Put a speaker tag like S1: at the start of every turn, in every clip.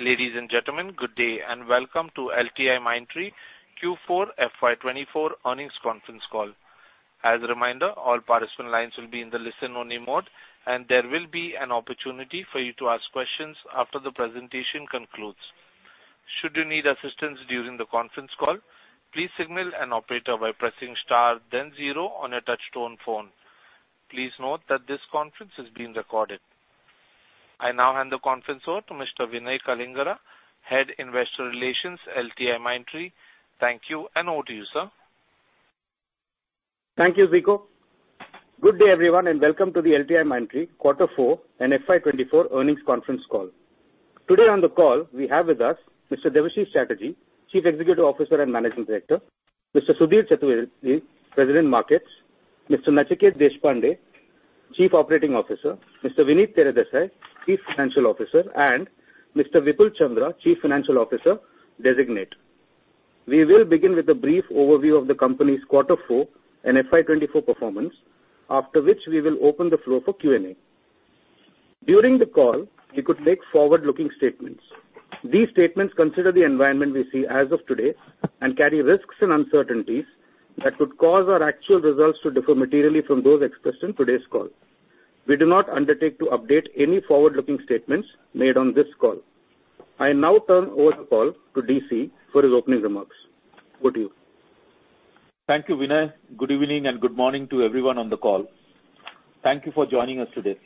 S1: Ladies and gentlemen, good day, and welcome to LTIMindtree Q4 FY24 earnings conference call. As a reminder, all participant lines will be in the listen-only mode, and there will be an opportunity for you to ask questions after the presentation concludes. Should you need assistance during the conference call, please signal an operator by pressing star, then zero on your touch-tone phone. Please note that this conference is being recorded. I now hand the conference over to Mr. Vinay Kalingara, Head Investor Relations, LTIMindtree. Thank you, and over to you, sir.
S2: Thank you, Viko. Good day everyone, and welcome to the LTIMindtree Q4 and FY24 earnings conference call. Today on the call we have with us Mr. Debashis Chatterjee, Chief Executive Officer and Managing Director, Mr. Siddharth Bohra, President Markets, Mr. Nachiket Deshpande, Chief Operating Officer, Mr. Vinit Teredesai, Chief Financial Officer, and Mr. Vipul Chandra, Chief Financial Officer, Designate. We will begin with a brief overview of the company's Q4 and FY24 performance, after which we will open the floor for Q&A. During the call, we could make forward-looking statements. These statements consider the environment we see as of today and carry risks and uncertainties that could cause our actual results to differ materially from those expressed in today's call. We do not undertake to update any forward-looking statements made on this call. I now turn over the call to DC for his opening remarks. Over to you.
S3: Thank you, Vinay. Good evening and good morning to everyone on the call. Thank you for joining us today.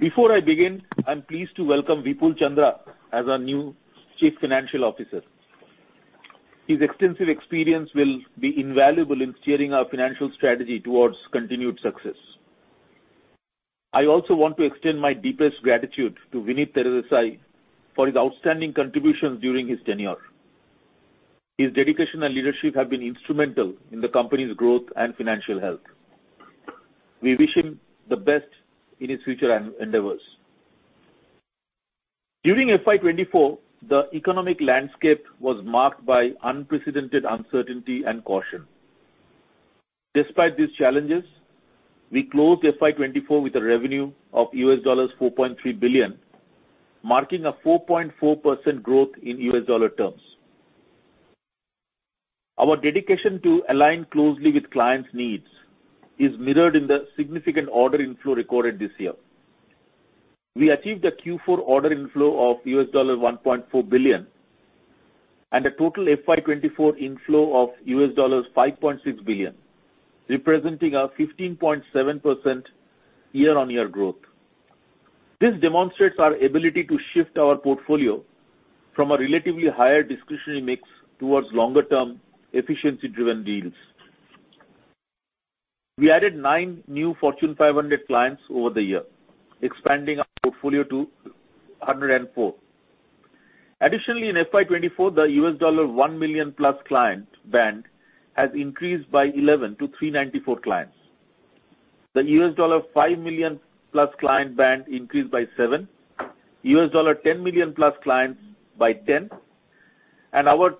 S3: Before I begin, I'm pleased to welcome Vipul Chandra as our new Chief Financial Officer. His extensive experience will be invaluable in steering our financial strategy towards continued success. I also want to extend my deepest gratitude to Vinit Teredesai for his outstanding contributions during his tenure. His dedication and leadership have been instrumental in the company's growth and financial health. We wish him the best in his future endeavors. During FY24, the economic landscape was marked by unprecedented uncertainty and caution. Despite these challenges, we closed FY24 with a revenue of $4.3 billion, marking a 4.4% growth in $ terms. Our dedication to align closely with clients' needs is mirrored in the significant order inflow recorded this year. We achieved a Q4 order inflow of $1.4 billion and a total FY24 inflow of $5.6 billion, representing a 15.7% year-over-year growth. This demonstrates our ability to shift our portfolio from a relatively higher discretionary mix towards longer-term, efficiency-driven deals. We added nine new Fortune 500 clients over the year, expanding our portfolio to 104. Additionally, in FY24, the $1 million-plus client band has increased by 11 to 394 clients. The $5 million-plus client band increased by 7, $10 million-plus clients by 10, and our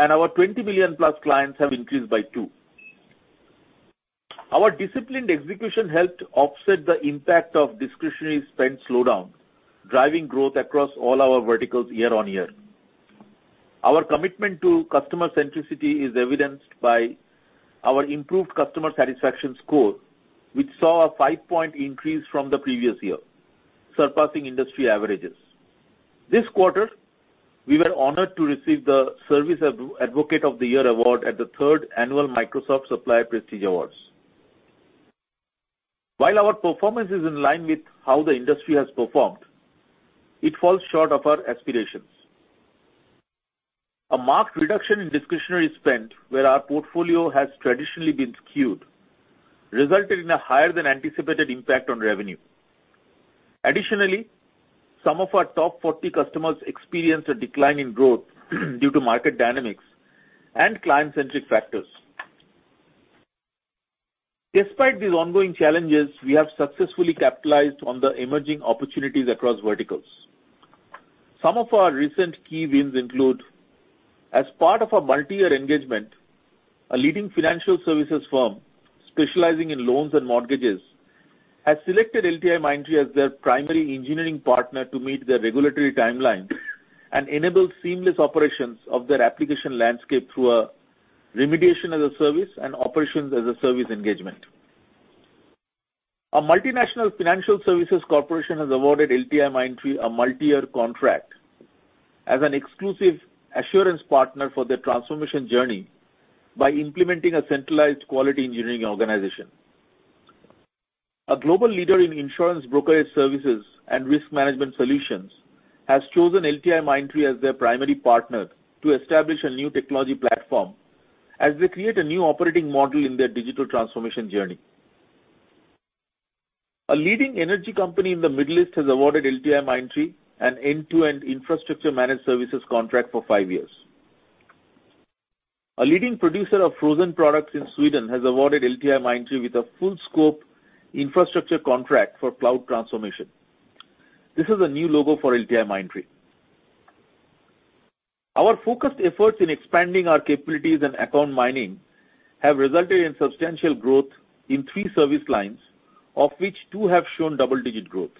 S3: $20 million-plus clients have increased by 2. Our disciplined execution helped offset the impact of discretionary spend slowdown, driving growth across all our verticals year-over-year. Our commitment to customer centricity is evidenced by our improved customer satisfaction score, which saw a five-point increase from the previous year, surpassing industry averages. This quarter, we were honored to receive the Service Advocate of the Year award at the third annual Microsoft Supplier Prestige Awards. While our performance is in line with how the industry has performed, it falls short of our aspirations. A marked reduction in discretionary spend, where our portfolio has traditionally been skewed, resulted in a higher-than-anticipated impact on revenue. Additionally, some of our top 40 customers experienced a decline in growth due to market dynamics and client-centric factors. Despite these ongoing challenges, we have successfully capitalized on the emerging opportunities across verticals. Some of our recent key wins include: as part of a multi-year engagement, a leading financial services firm specializing in loans and mortgages has selected LTIMindtree as their primary engineering partner to meet their regulatory timelines and enable seamless operations of their application landscape through a remediation-as-a-service and operations-as-a-service engagement. A multinational financial services corporation has awarded LTIMindtree a multi-year contract as an exclusive assurance partner for their transformation journey by implementing a centralized quality engineering organization. A global leader in insurance brokerage services and risk management solutions has chosen LTIMindtree as their primary partner to establish a new technology platform as they create a new operating model in their digital transformation journey. A leading energy company in the Middle East has awarded LTIMindtree an end-to-end infrastructure managed services contract for five years. A leading producer of frozen products in Sweden has awarded LTIMindtree with a full-scope infrastructure contract for cloud transformation. This is a new logo for LTIMindtree. Our focused efforts in expanding our capabilities and account mining have resulted in substantial growth in three service lines, of which two have shown double-digit growth.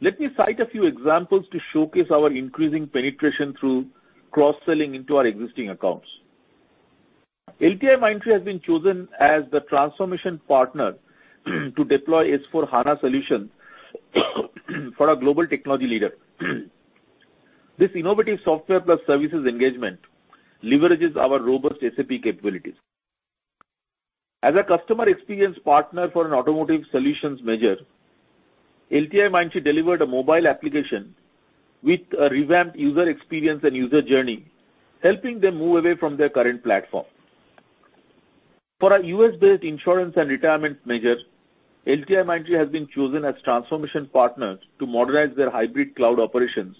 S3: Let me cite a few examples to showcase our increasing penetration through cross-selling into our existing accounts. LTIMindtree has been chosen as the transformation partner to deploy S/4HANA solutions for a global technology leader. This innovative software-plus-services engagement leverages our robust SAP capabilities. As a customer experience partner for an automotive solutions major, LTIMindtree delivered a mobile application with a revamped user experience and user journey, helping them move away from their current platform. For a US-based insurance and retirement major, LTIMindtree has been chosen as transformation partner to modernize their hybrid cloud operations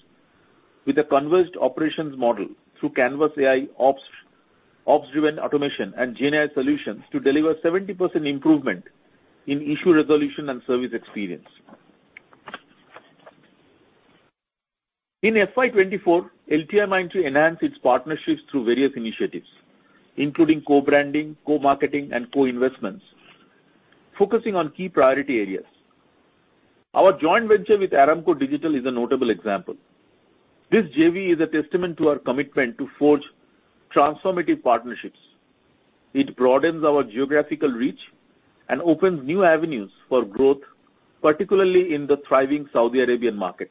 S3: with a converged operations model through Canvas AI, ops-driven automation, and GNI solutions to deliver 70% improvement in issue resolution and service experience. In FY24, LTIMindtree enhanced its partnerships through various initiatives, including co-branding, co-marketing, and co-investments, focusing on key priority areas. Our joint venture with Aramco Digital is a notable example. This JV is a testament to our commitment to forge transformative partnerships. It broadens our geographical reach and opens new avenues for growth, particularly in the thriving Saudi Arabian market.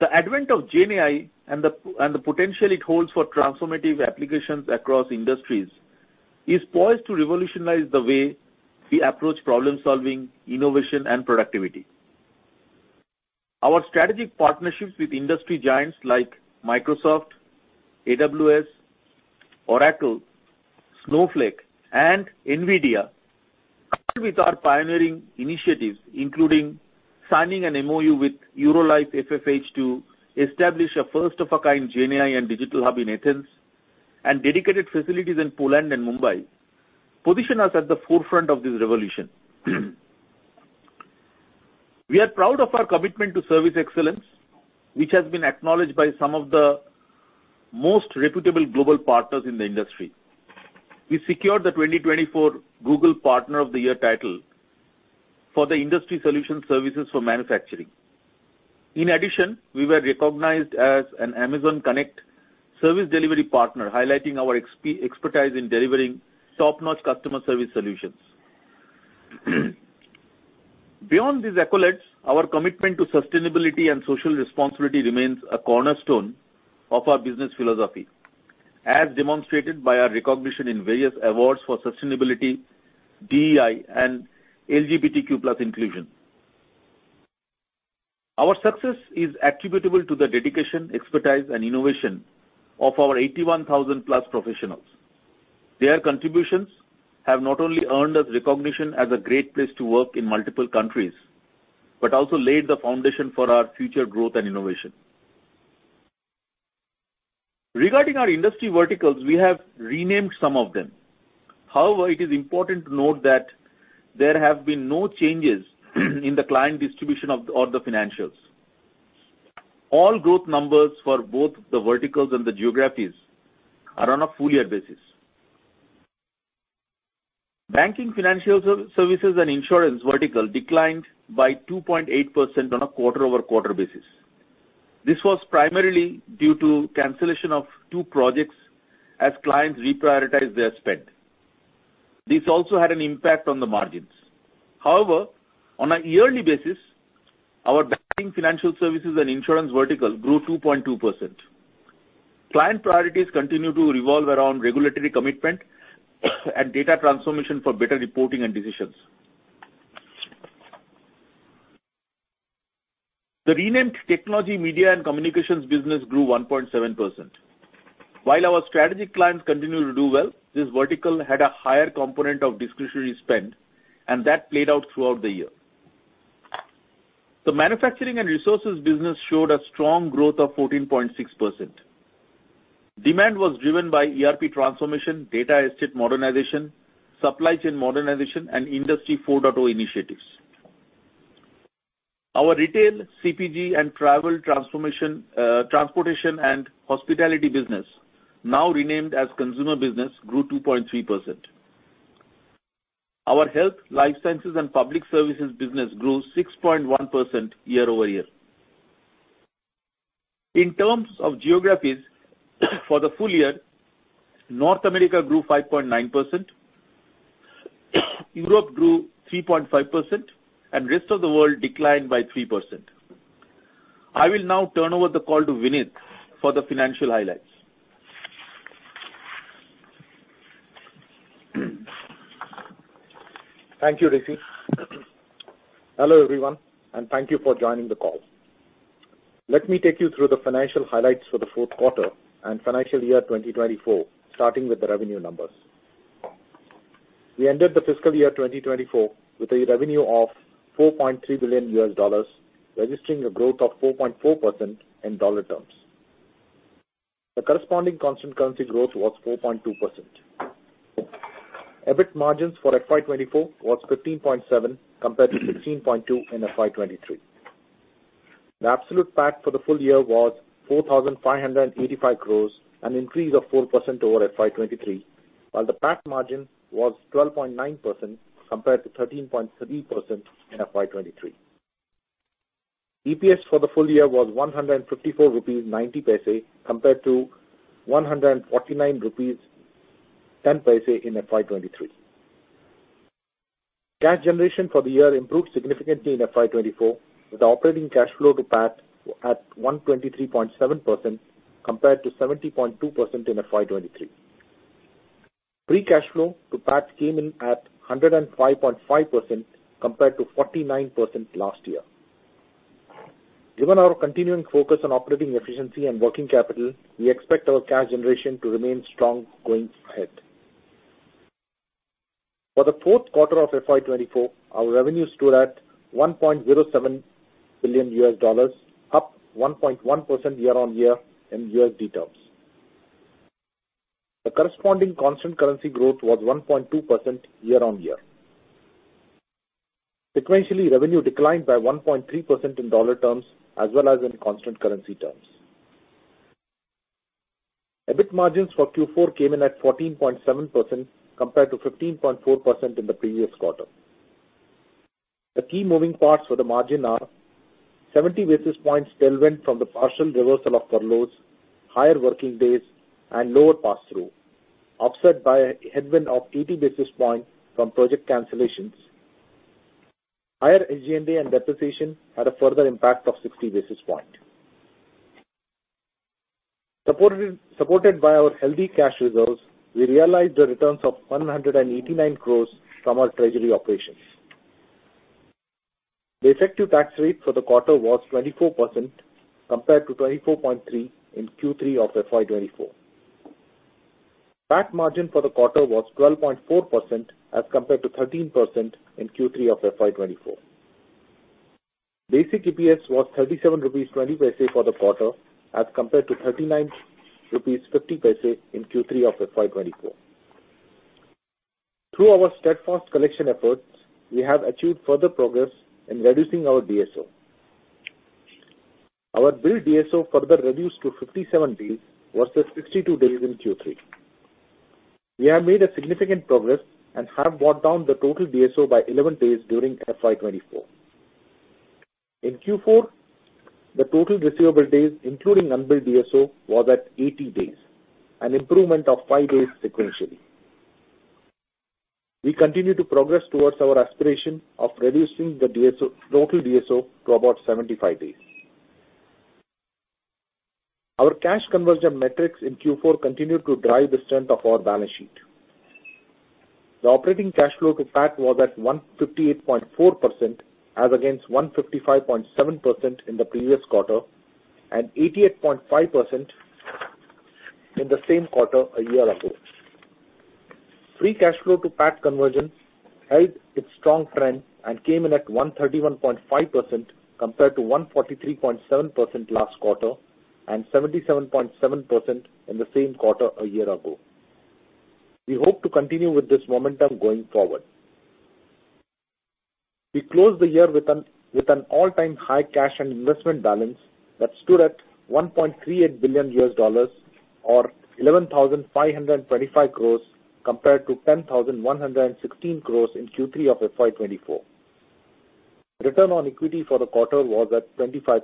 S3: The advent of GenAI and the potential it holds for transformative applications across industries is poised to revolutionize the way we approach problem-solving, innovation, and productivity. Our strategic partnerships with industry giants like Microsoft, AWS, Oracle, Snowflake, and NVIDIA, coupled with our pioneering initiatives including signing an MOU with Eurolife FFH to establish a first-of-a-kind GenAI and digital hub in Athens and dedicated facilities in Poland and Mumbai, position us at the forefront of this revolution. We are proud of our commitment to service excellence, which has been acknowledged by some of the most reputable global partners in the industry. We secured the 2024 Google Partner of the Year title for the industry solution services for manufacturing. In addition, we were recognized as an Amazon Connect service delivery partner, highlighting our expertise in delivering top-notch customer service solutions. Beyond these accolades, our commitment to sustainability and social responsibility remains a cornerstone of our business philosophy, as demonstrated by our recognition in various awards for sustainability, DEI, and LGBTQ+ inclusion. Our success is attributable to the dedication, expertise, and innovation of our 81,000-plus professionals. Their contributions have not only earned us recognition as a great place to work in multiple countries but also laid the foundation for our future growth and innovation. Regarding our industry verticals, we have renamed some of them. However, it is important to note that there have been no changes in the client distribution or the financials. All growth numbers for both the verticals and the geographies are on a full-year basis. Banking, financial services, and insurance vertical declined by 2.8% on a quarter-over-quarter basis. This was primarily due to cancellation of two projects as clients reprioritized their spend. This also had an impact on the margins. However, on a yearly basis, our banking, financial services, and insurance vertical grew 2.2%. Client priorities continue to revolve around regulatory commitment and data transformation for better reporting and decisions. The renamed technology, media, and communications business grew 1.7%. While our strategic clients continue to do well, this vertical had a higher component of discretionary spend, and that played out throughout the year. The manufacturing and resources business showed a strong growth of 14.6%. Demand was driven by ERP transformation, data estate modernization, supply chain modernization, and Industry 4.0 initiatives. Our retail, CPG, and transportation and hospitality business, now renamed as consumer business, grew 2.3%. Our health, life sciences, and public services business grew 6.1% year-over-year. In terms of geographies for the full year, North America grew 5.9%, Europe grew 3.5%, and the rest of the world declined by 3%. I will now turn over the call to Vinit for the financial highlights. Thank you, DC. Hello, everyone, and thank you for joining the call. Let me take you through the financial highlights for the fourth quarter and financial year 2024, starting with the revenue numbers. We ended the fiscal year 2024 with a revenue of $4.3 billion, registering a growth of 4.4% in dollar terms. The corresponding constant currency growth was 4.2%. EBIT margins for FY24 were 15.7% compared to 16.2% in FY23. The absolute PAT for the full year was 4,585 crores, an increase of 4% over FY23, while the PAT margin was 12.9% compared to 13.3% in FY23. EPS for the full year was 154.90 rupees compared to 149.10 rupees in FY23. Cash generation for the year improved significantly in FY24, with operating cash flow to PAT at 123.7% compared to 70.2% in FY23. Free cash flow to PAT came in at 105.5% compared to 49% last year. Given our continuing focus on operating efficiency and working capital, we expect our cash generation to remain strong going ahead. For the fourth quarter of FY24, our revenues stood at $1.07 billion, up 1.1% year-over-year in USD terms. The corresponding constant currency growth was 1.2% year-over-year. Sequentially, revenue declined by 1.3% in dollar terms as well as in constant currency terms. EBIT margins for Q4 came in at 14.7% compared to 15.4% in the previous quarter. The key moving parts for the margin are: 70 basis points delivered from the partial reversal of furloughs, higher working days, and lower pass-through, offset by a headwind of 80 basis points from project cancellations. Higher SG&A and depreciation had a further impact of 60 basis points. Supported by our healthy cash reserves, we realized a return of 189 crores from our treasury operations. The effective tax rate for the quarter was 24% compared to 24.3% in Q3 of FY 2024. PAT margin for the quarter was 12.4% as compared to 13% in Q3 of FY 2024. Basic EPS was 37.20 rupees for the quarter as compared to 39.50 rupees in Q3 of FY 2024. Through our steadfast collection efforts, we have achieved further progress in reducing our DSO. Our billed DSO further reduced to 57 days versus 62 days in Q3. We have made a significant progress and have brought down the total DSO by 11 days during FY 2024. In Q4, the total receivable days, including unbilled DSO, were at 80 days, an improvement of 5 days sequentially. We continue to progress towards our aspiration of reducing the total DSO to about 75 days. Our cash conversion metrics in Q4 continue to drive the strength of our balance sheet. The operating cash flow to PAT was at 158.4% as against 155.7% in the previous quarter and 88.5% in the same quarter a year ago. Free cash flow to PAT conversion held its strong trend and came in at 131.5% compared to 143.7% last quarter and 77.7% in the same quarter a year ago. We hope to continue with this momentum going forward. We closed the year with an all-time high cash and investment balance that stood at $1.38 billion or 11,525 crores compared to 10,116 crores in Q3 of FY 2024. Return on equity for the quarter was at 25%.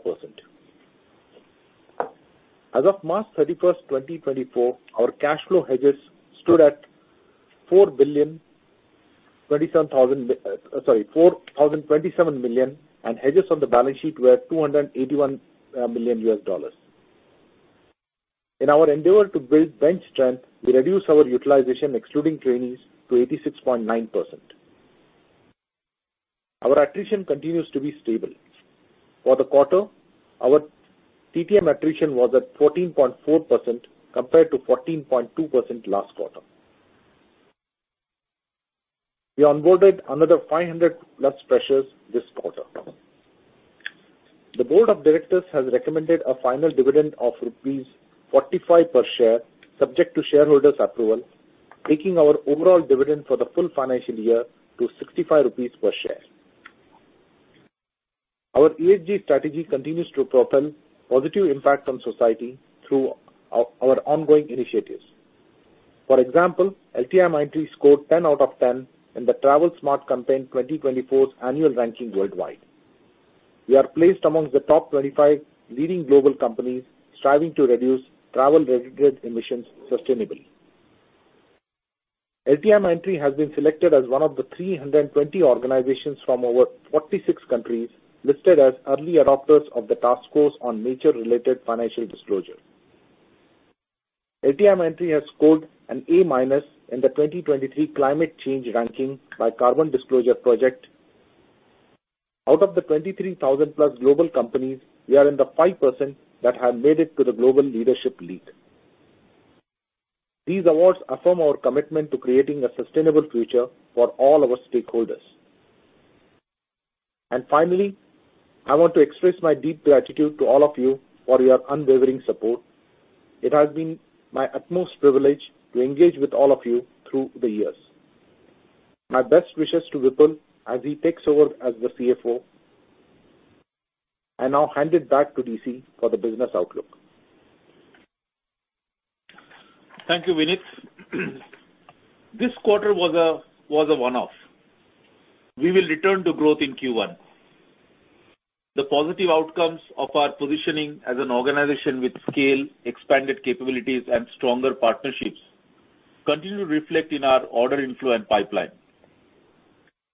S3: As of March 31st, 2024, our cash flow hedges stood at $4,027 million and hedges on the balance sheet were $281 million. In our endeavor to build bench strength, we reduced our utilization, excluding trainees, to 86.9%. Our attrition continues to be stable. For the quarter, our TTM attrition was at 14.4% compared to 14.2% last quarter. We onboarded another 500-plus freshers this quarter. The board of directors has recommended a final dividend of rupees 45 per share subject to shareholders' approval, taking our overall dividend for the full financial year to 65 rupees per share. Our ESG strategy continues to propel positive impact on society through our ongoing initiatives. For example, LTIMindtree scored 10 out of 10 in the Travel Smart Campaign 2024's annual ranking worldwide. We are placed amongst the top 25 leading global companies striving to reduce travel-related emissions sustainably. LTIMindtree has been selected as one of the 320 organizations from over 46 countries listed as early adopters of the task force on nature-related financial disclosure. LTIMindtree has scored an A- in the 2023 climate change ranking by Carbon Disclosure Project. Out of the 23,000+ global companies, we are in the 5% that have made it to the Global Leadership League. These awards affirm our commitment to creating a sustainable future for all our stakeholders. And finally, I want to express my deep gratitude to all of you for your unwavering support. It has been my utmost privilege to engage with all of you through the years. My best wishes to Vipul as he takes over as the CFO. I now hand it back to DC for the business outlook. Thank you, Vinit. This quarter was a one-off. We will return to growth in Q1. The positive outcomes of our positioning as an organization with scale, expanded capabilities, and stronger partnerships continue to reflect in our order inflow and pipeline.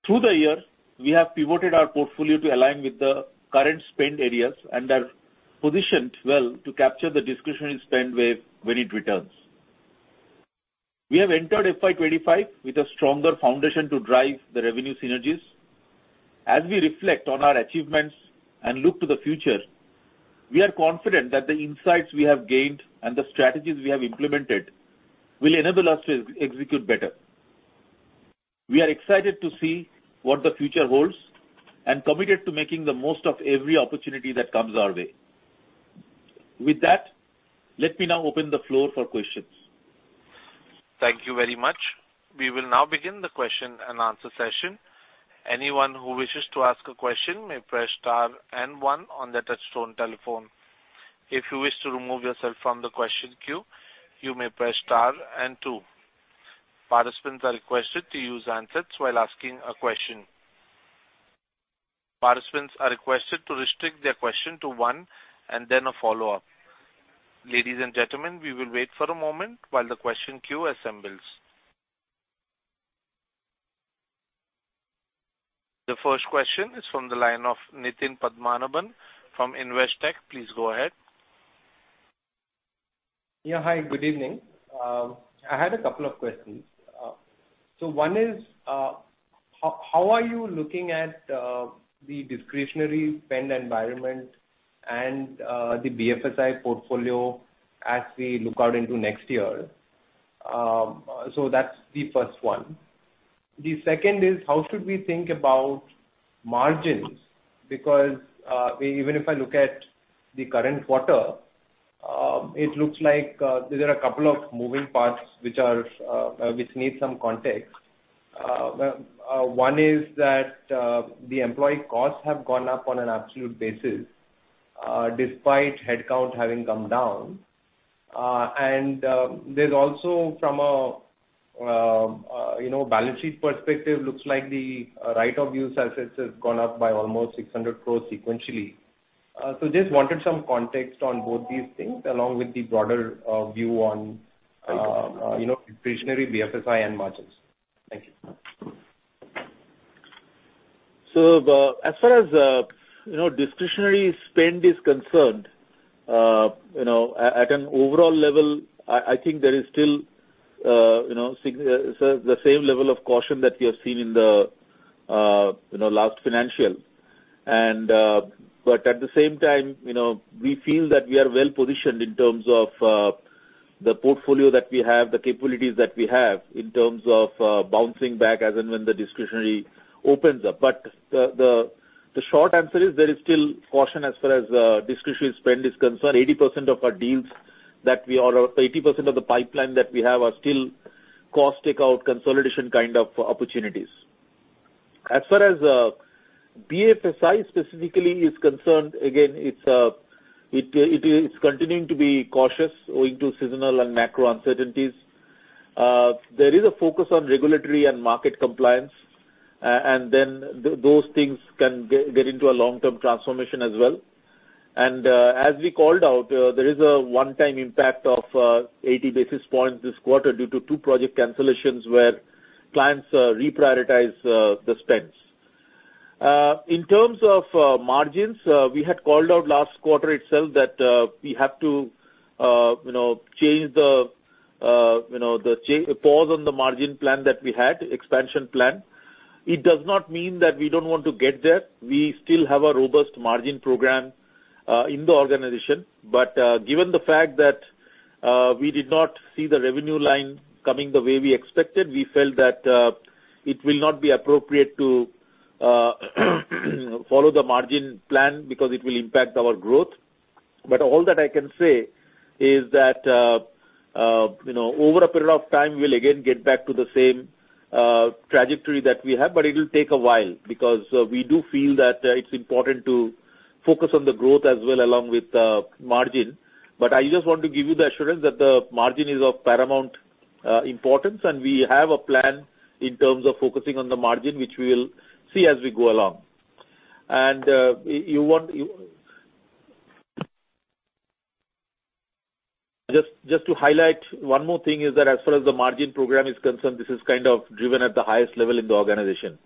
S3: Through the year, we have pivoted our portfolio to align with the current spend areas and are positioned well to capture the discretionary spend wave when it returns. We have entered FY25 with a stronger foundation to drive the revenue synergies. As we reflect on our achievements and look to the future, we are confident that the insights we have gained and the strategies we have implemented will enable us to execute better. We are excited to see what the future holds and committed to making the most of every opportunity that comes our way. With that, let me now open the floor for questions.
S1: Thank you very much. We will now begin the question and answer session. Anyone who wishes to ask a question may press star and one on the touchstone telephone. If you wish to remove yourself from the question queue, you may press star and two. Participants are requested to use handsets while asking a question. Participants are requested to restrict their question to one and then a follow-up. Ladies and gentlemen, we will wait for a moment while the question queue assembles. The first question is from the line of Nitin Padmanabhan from InvesTech. Please go ahead.
S4: Yeah, hi. Good evening. I had a couple of questions. So one is, how are you looking at the discretionary spend environment and the BFSI portfolio as we look out into next year? So that's the first one. The second is, how should we think about margins? Because even if I look at the current quarter, it looks like there are a couple of moving parts which need some context. One is that the employee costs have gone up on an absolute basis despite headcount having come down. And there's also, from a balance sheet perspective, it looks like the right-of-use assets have gone up by almost 600 crore sequentially. So just wanted some context on both these things along with the broader view on discretionary BFSI and margins. Thank you.
S3: So as far as discretionary spend is concerned, at an overall level, I think there is still the same level of caution that we have seen in the last financial. But at the same time, we feel that we are well positioned in terms of the portfolio that we have, the capabilities that we have in terms of bouncing back as and when the discretionary opens up. But the short answer is there is still caution as far as discretionary spend is concerned. 80% of our deals that we or 80% of the pipeline that we have are still cost takeout consolidation kind of opportunities. As far as BFSI specifically is concerned, again, it's continuing to be cautious owing to seasonal and macro uncertainties. There is a focus on regulatory and market compliance, and then those things can get into a long-term transformation as well. As we called out, there is a one-time impact of 80 basis points this quarter due to 2 project cancellations where clients reprioritize the spends. In terms of margins, we had called out last quarter itself that we have to change the pause on the margin plan that we had, expansion plan. It does not mean that we don't want to get there. We still have a robust margin program in the organization. Given the fact that we did not see the revenue line coming the way we expected, we felt that it will not be appropriate to follow the margin plan because it will impact our growth. But all that I can say is that over a period of time, we'll again get back to the same trajectory that we have, but it'll take a while because we do feel that it's important to focus on the growth as well along with the margin. But I just want to give you the assurance that the margin is of paramount importance, and we have a plan in terms of focusing on the margin, which we will see as we go along. And just to highlight one more thing is that as far as the margin program is concerned, this is kind of driven at the highest level in the organization.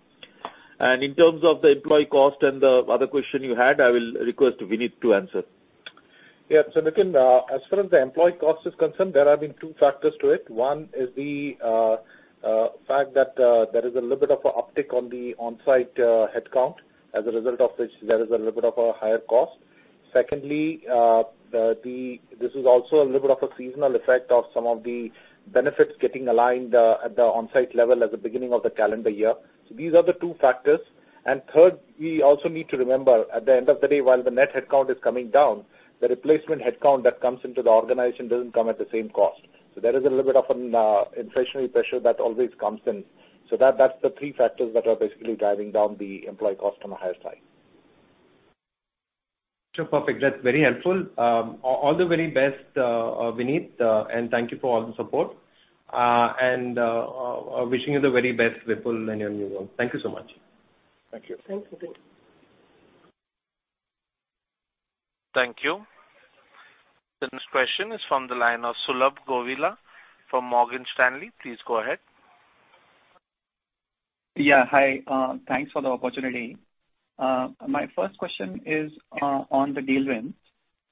S3: And in terms of the employee cost and the other question you had, I will request Vinit to answer.
S5: Yeah. So Nitin, as far as the employee cost is concerned, there have been two factors to it. One is the fact that there is a little bit of an uptick on the on-site headcount, as a result of which there is a little bit of a higher cost. Secondly, this is also a little bit of a seasonal effect of some of the benefits getting aligned at the on-site level at the beginning of the calendar year. So these are the two factors. And third, we also need to remember, at the end of the day, while the net headcount is coming down, the replacement headcount that comes into the organization doesn't come at the same cost. So there is a little bit of an inflationary pressure that always comes in. So that's the three factors that are basically driving down the employee cost on the higher side.
S4: Sure. Perfect. That's very helpful. All the very best, Vinit, and thank you for all the support. Wishing you the very best, Vipul, in your new one. Thank you so much.
S6: Thank you.
S3: Thanks, Nitin.
S1: Thank you. The next question is from the line of Sulabh Govila from Morgan Stanley. Please go ahead. Yeah. Hi. Thanks for the opportunity. My first question is on the deal win.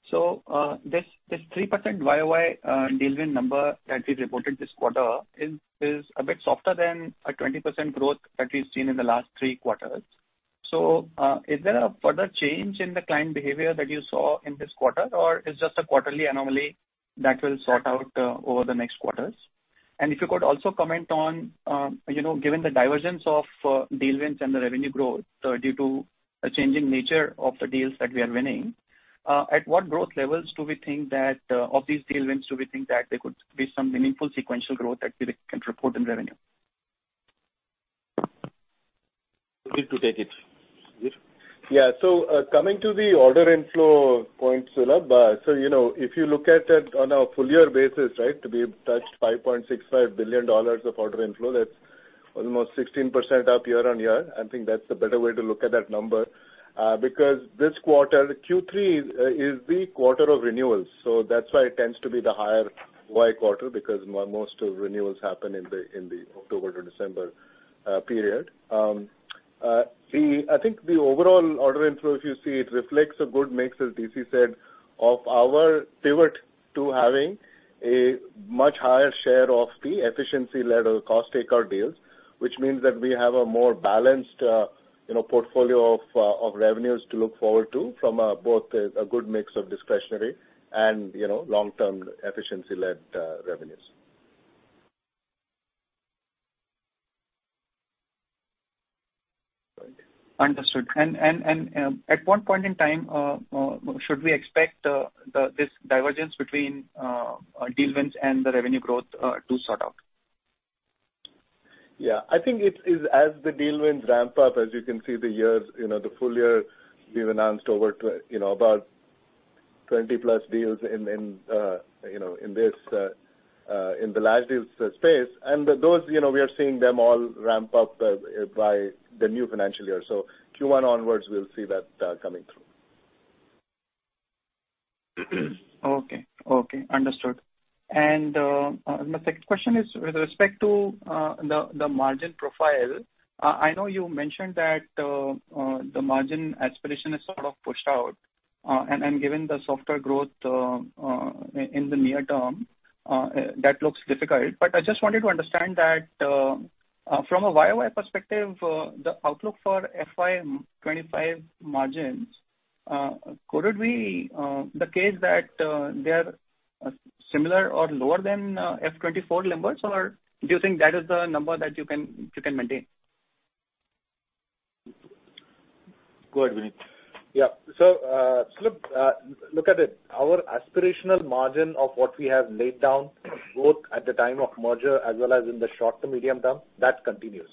S1: So this 3% YOY deal win number that we've reported this quarter is a bit softer than a 20% growth that we've seen in the last three quarters. So is there a further change in the client behavior that you saw in this quarter, or is just a quarterly anomaly that will sort out over the next quarters? And if you could also comment on, given the divergence of deal wins and the revenue growth due to the changing nature of the deals that we are winning, at what growth levels do we think that of these deal wins, do we think that there could be some meaningful sequential growth that we can report in revenue? To take it.
S2: Yeah. So coming to the order inflow point, Sulabh, so if you look at it on a full-year basis, right, to be touched $5.65 billion of order inflow, that's almost 16% up year-over-year. I think that's the better way to look at that number because this quarter, Q3, is the quarter of renewals. So that's why it tends to be the higher Y quarter because most of renewals happen in the October to December period. I think the overall order inflow, if you see, it reflects a good mix, as DC said, of our pivot to having a much higher share of the efficiency-led or cost takeout deals, which means that we have a more balanced portfolio of revenues to look forward to from both a good mix of discretionary and long-term efficiency-led revenues. Understood. At what point in time should we expect this divergence between deal wins and the revenue growth to sort out? Yeah. I think it is as the deal wins ramp up, as you can see, the full year, we've announced about 20+ deals in the last deals space. And those, we are seeing them all ramp up by the new financial year. So Q1 onwards, we'll see that coming through. Okay. Okay. Understood. And my second question is with respect to the margin profile. I know you mentioned that the margin aspiration is sort of pushed out. And given the softer growth in the near term, that looks difficult. But I just wanted to understand that from a YOY perspective, the outlook for FY25 margins, could it be the case that they are similar or lower than FY24 numbers, or do you think that is the number that you can maintain? Go ahead, Vinit. Yeah. So look at it. Our aspirational margin of what we have laid down both at the time of merger as well as in the short to medium term, that continues.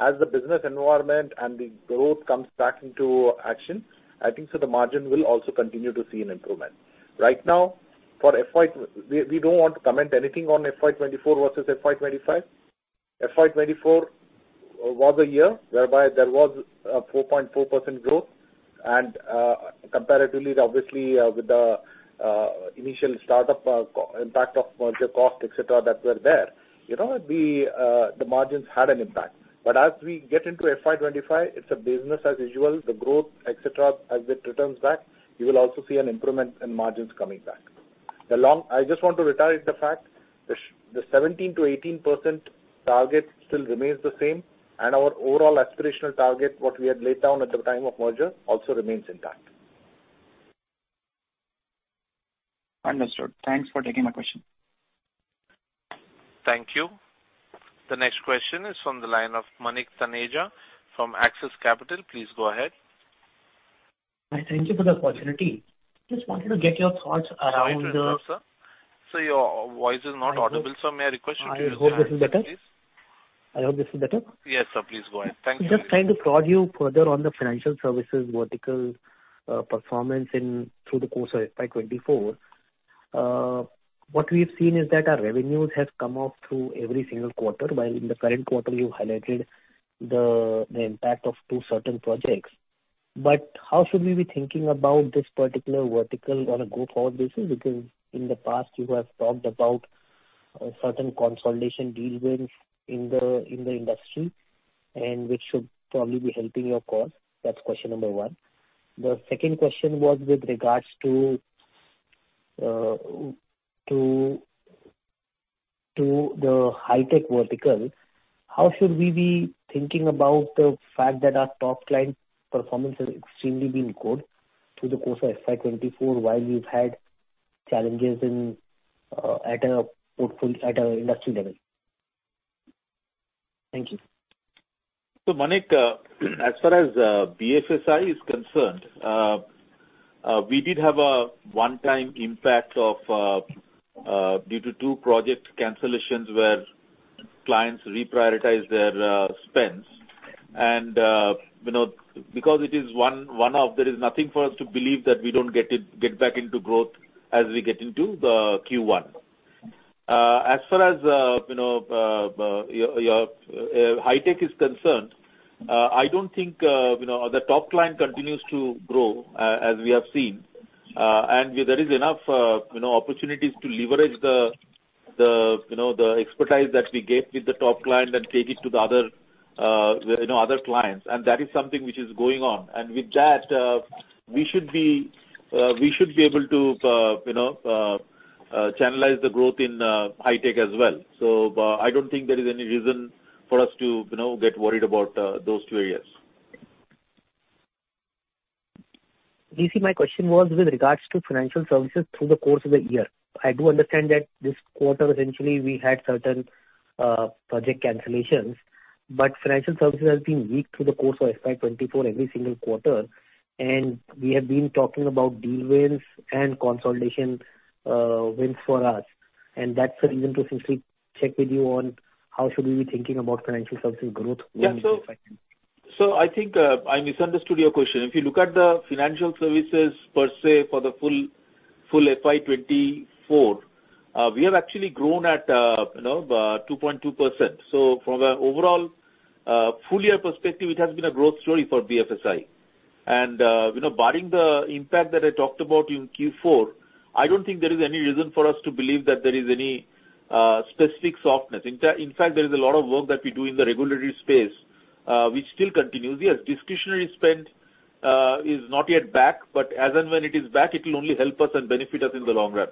S2: As the business environment and the growth comes back into action, I think so the margin will also continue to see an improvement. Right now, for FY we don't want to comment anything on FY24 versus FY25. FY24 was a year whereby there was a 4.4% growth. Comparatively, obviously, with the initial startup impact of merger cost, etc., that were there, the margins had an impact. But as we get into FY25, it's a business as usual. The growth, etc., as it returns back, you will also see an improvement in margins coming back. I just want to reiterate the fact. The 17%-18% target still remains the same. Our overall aspirational target, what we had laid down at the time of merger, also remains intact. Understood. Thanks for taking my question. Thank you. The next question is from the line of Manik Taneja from Axis Capital. Please go ahead. Hi. Thank you for the opportunity. Just wanted to get your thoughts around the. Thank you, sir. So your voice is not audible, so may I request you to just. I hope this is better, please. I hope this is better. Yes, sir. Please go ahead. Thank you, Vinit. Just trying to prod you further on the financial services vertical performance through the course of FY24. What we have seen is that our revenues have come up through every single quarter, while in the current quarter, you highlighted the impact of two certain projects. But how should we be thinking about this particular vertical on a go-forward basis? Because in the past, you have talked about certain consolidation deal wins in the industry which should probably be helping your cause. That's question number one. The second question was with regards to the high-tech vertical. How should we be thinking about the fact that our top client performance has extremely been good through the course of FY24 while we've had challenges at our industry level? Thank you.
S3: So Manik, as far as BFSI is concerned, we did have a one-time impact due to 2 project cancellations where clients reprioritized their spends. And because it is one-off, there is nothing for us to believe that we don't get back into growth as we get into the Q1. As far as your high-tech is concerned, I don't think the top client continues to grow as we have seen. And there is enough opportunities to leverage the expertise that we get with the top client and take it to the other clients. And that is something which is going on. And with that, we should be able to channelize the growth in high-tech as well. So I don't think there is any reason for us to get worried about those 2 areas. DC, my question was with regards to financial services through the course of the year. I do understand that this quarter, essentially, we had certain project cancellations. But financial services have been weak through the course of FY24 every single quarter. And we have been talking about deal wins and consolidation wins for us. And that's the reason to essentially check with you on how should we be thinking about financial services growth in FY24. Yeah. So I think I misunderstood your question. If you look at the financial services per se for the full FY2024, we have actually grown at 2.2%. So from an overall full-year perspective, it has been a growth story for BFSI. And barring the impact that I talked about in Q4, I don't think there is any reason for us to believe that there is any specific softness. In fact, there is a lot of work that we do in the regulatory space which still continues. Yes, discretionary spend is not yet back. But as and when it is back, it will only help us and benefit us in the long run.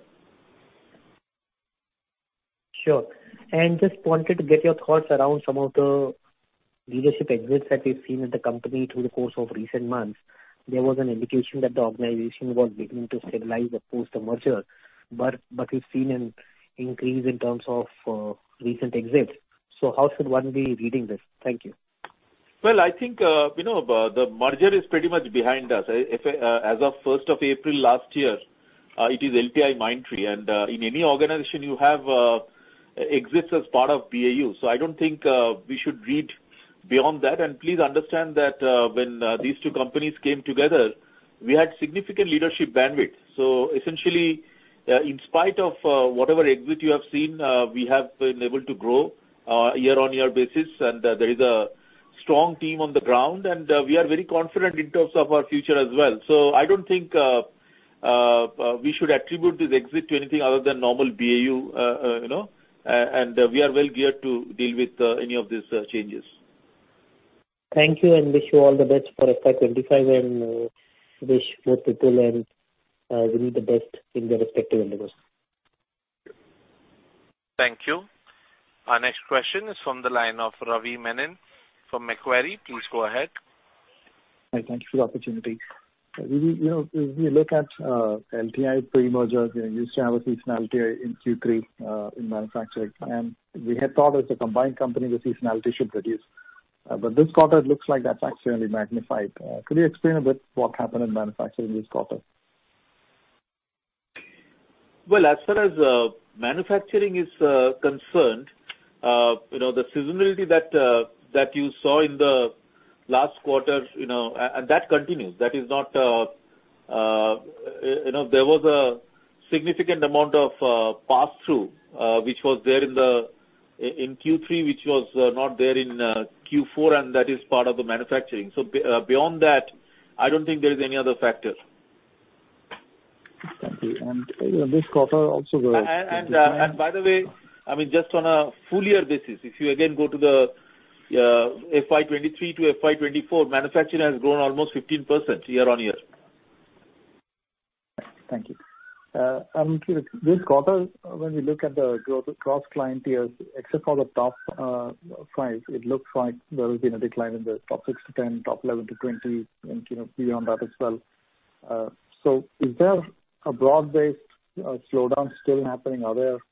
S3: Sure. And just wanted to get your thoughts around some of the leadership exits that we've seen in the company through the course of recent months. There was an indication that the organization was beginning to stabilize post-merger, but we've seen an increase in terms of recent exits. So how should one be reading this? Thank you. Well, I think the merger is pretty much behind us. As of 1st of April last year, it is LTIMindtree. In any organization, you have exits as part of BAU. I don't think we should read beyond that. Please understand that when these two companies came together, we had significant leadership bandwidth. Essentially, in spite of whatever exit you have seen, we have been able to grow year-on-year basis. There is a strong team on the ground. We are very confident in terms of our future as well. I don't think we should attribute this exit to anything other than normal BAU. We are well geared to deal with any of these changes. Thank you. Wish you all the best for FY25 and wish both Whipple and Vinit the best in their respective universe.
S2: Thank you. Our next question is from the line of Ravi Menon from McQuery. Please go ahead. Hi. Thank you for the opportunity. If you look at LTI pre-merger, we used to have a seasonality in Q3 in manufacturing. We had thought as a combined company, the seasonality should reduce. This quarter, it looks like that's actually only magnified. Could you explain a bit what happened in manufacturing this quarter?
S3: Well, as far as manufacturing is concerned, the seasonality that you saw in the last quarter and that continues. That is not there. There was a significant amount of pass-through which was there in Q3, which was not there in Q4. And that is part of the manufacturing. So beyond that, I don't think there is any other factor. Thank you. This quarter also grows. And by the way, I mean, just on a full-year basis, if you again go to the FY23 to FY24, manufacturing has grown almost 15% year-over-year. Thank you. This quarter, when we look at the cross-client tiers, except for the top five, it looks like there has been a decline in the top 6-10, top 11-20, and beyond that as well. So is there a broad-based slowdown still happening? Are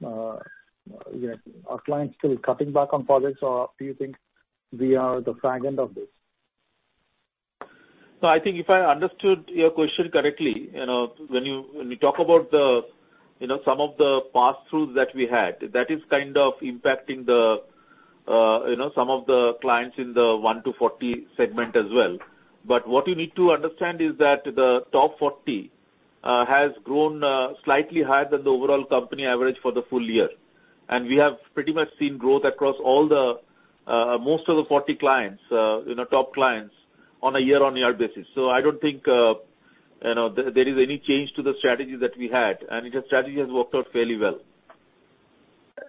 S3: our clients still cutting back on projects? Or do you think we are the fragment of this? So I think if I understood your question correctly, when you talk about some of the pass-throughs that we had, that is kind of impacting some of the clients in the 1-40 segment as well. But what you need to understand is that the top 40 has grown slightly higher than the overall company average for the full year. And we have pretty much seen growth across most of the top 40 clients on a year-on-year basis. So I don't think there is any change to the strategy that we had. And the strategy has worked out fairly well.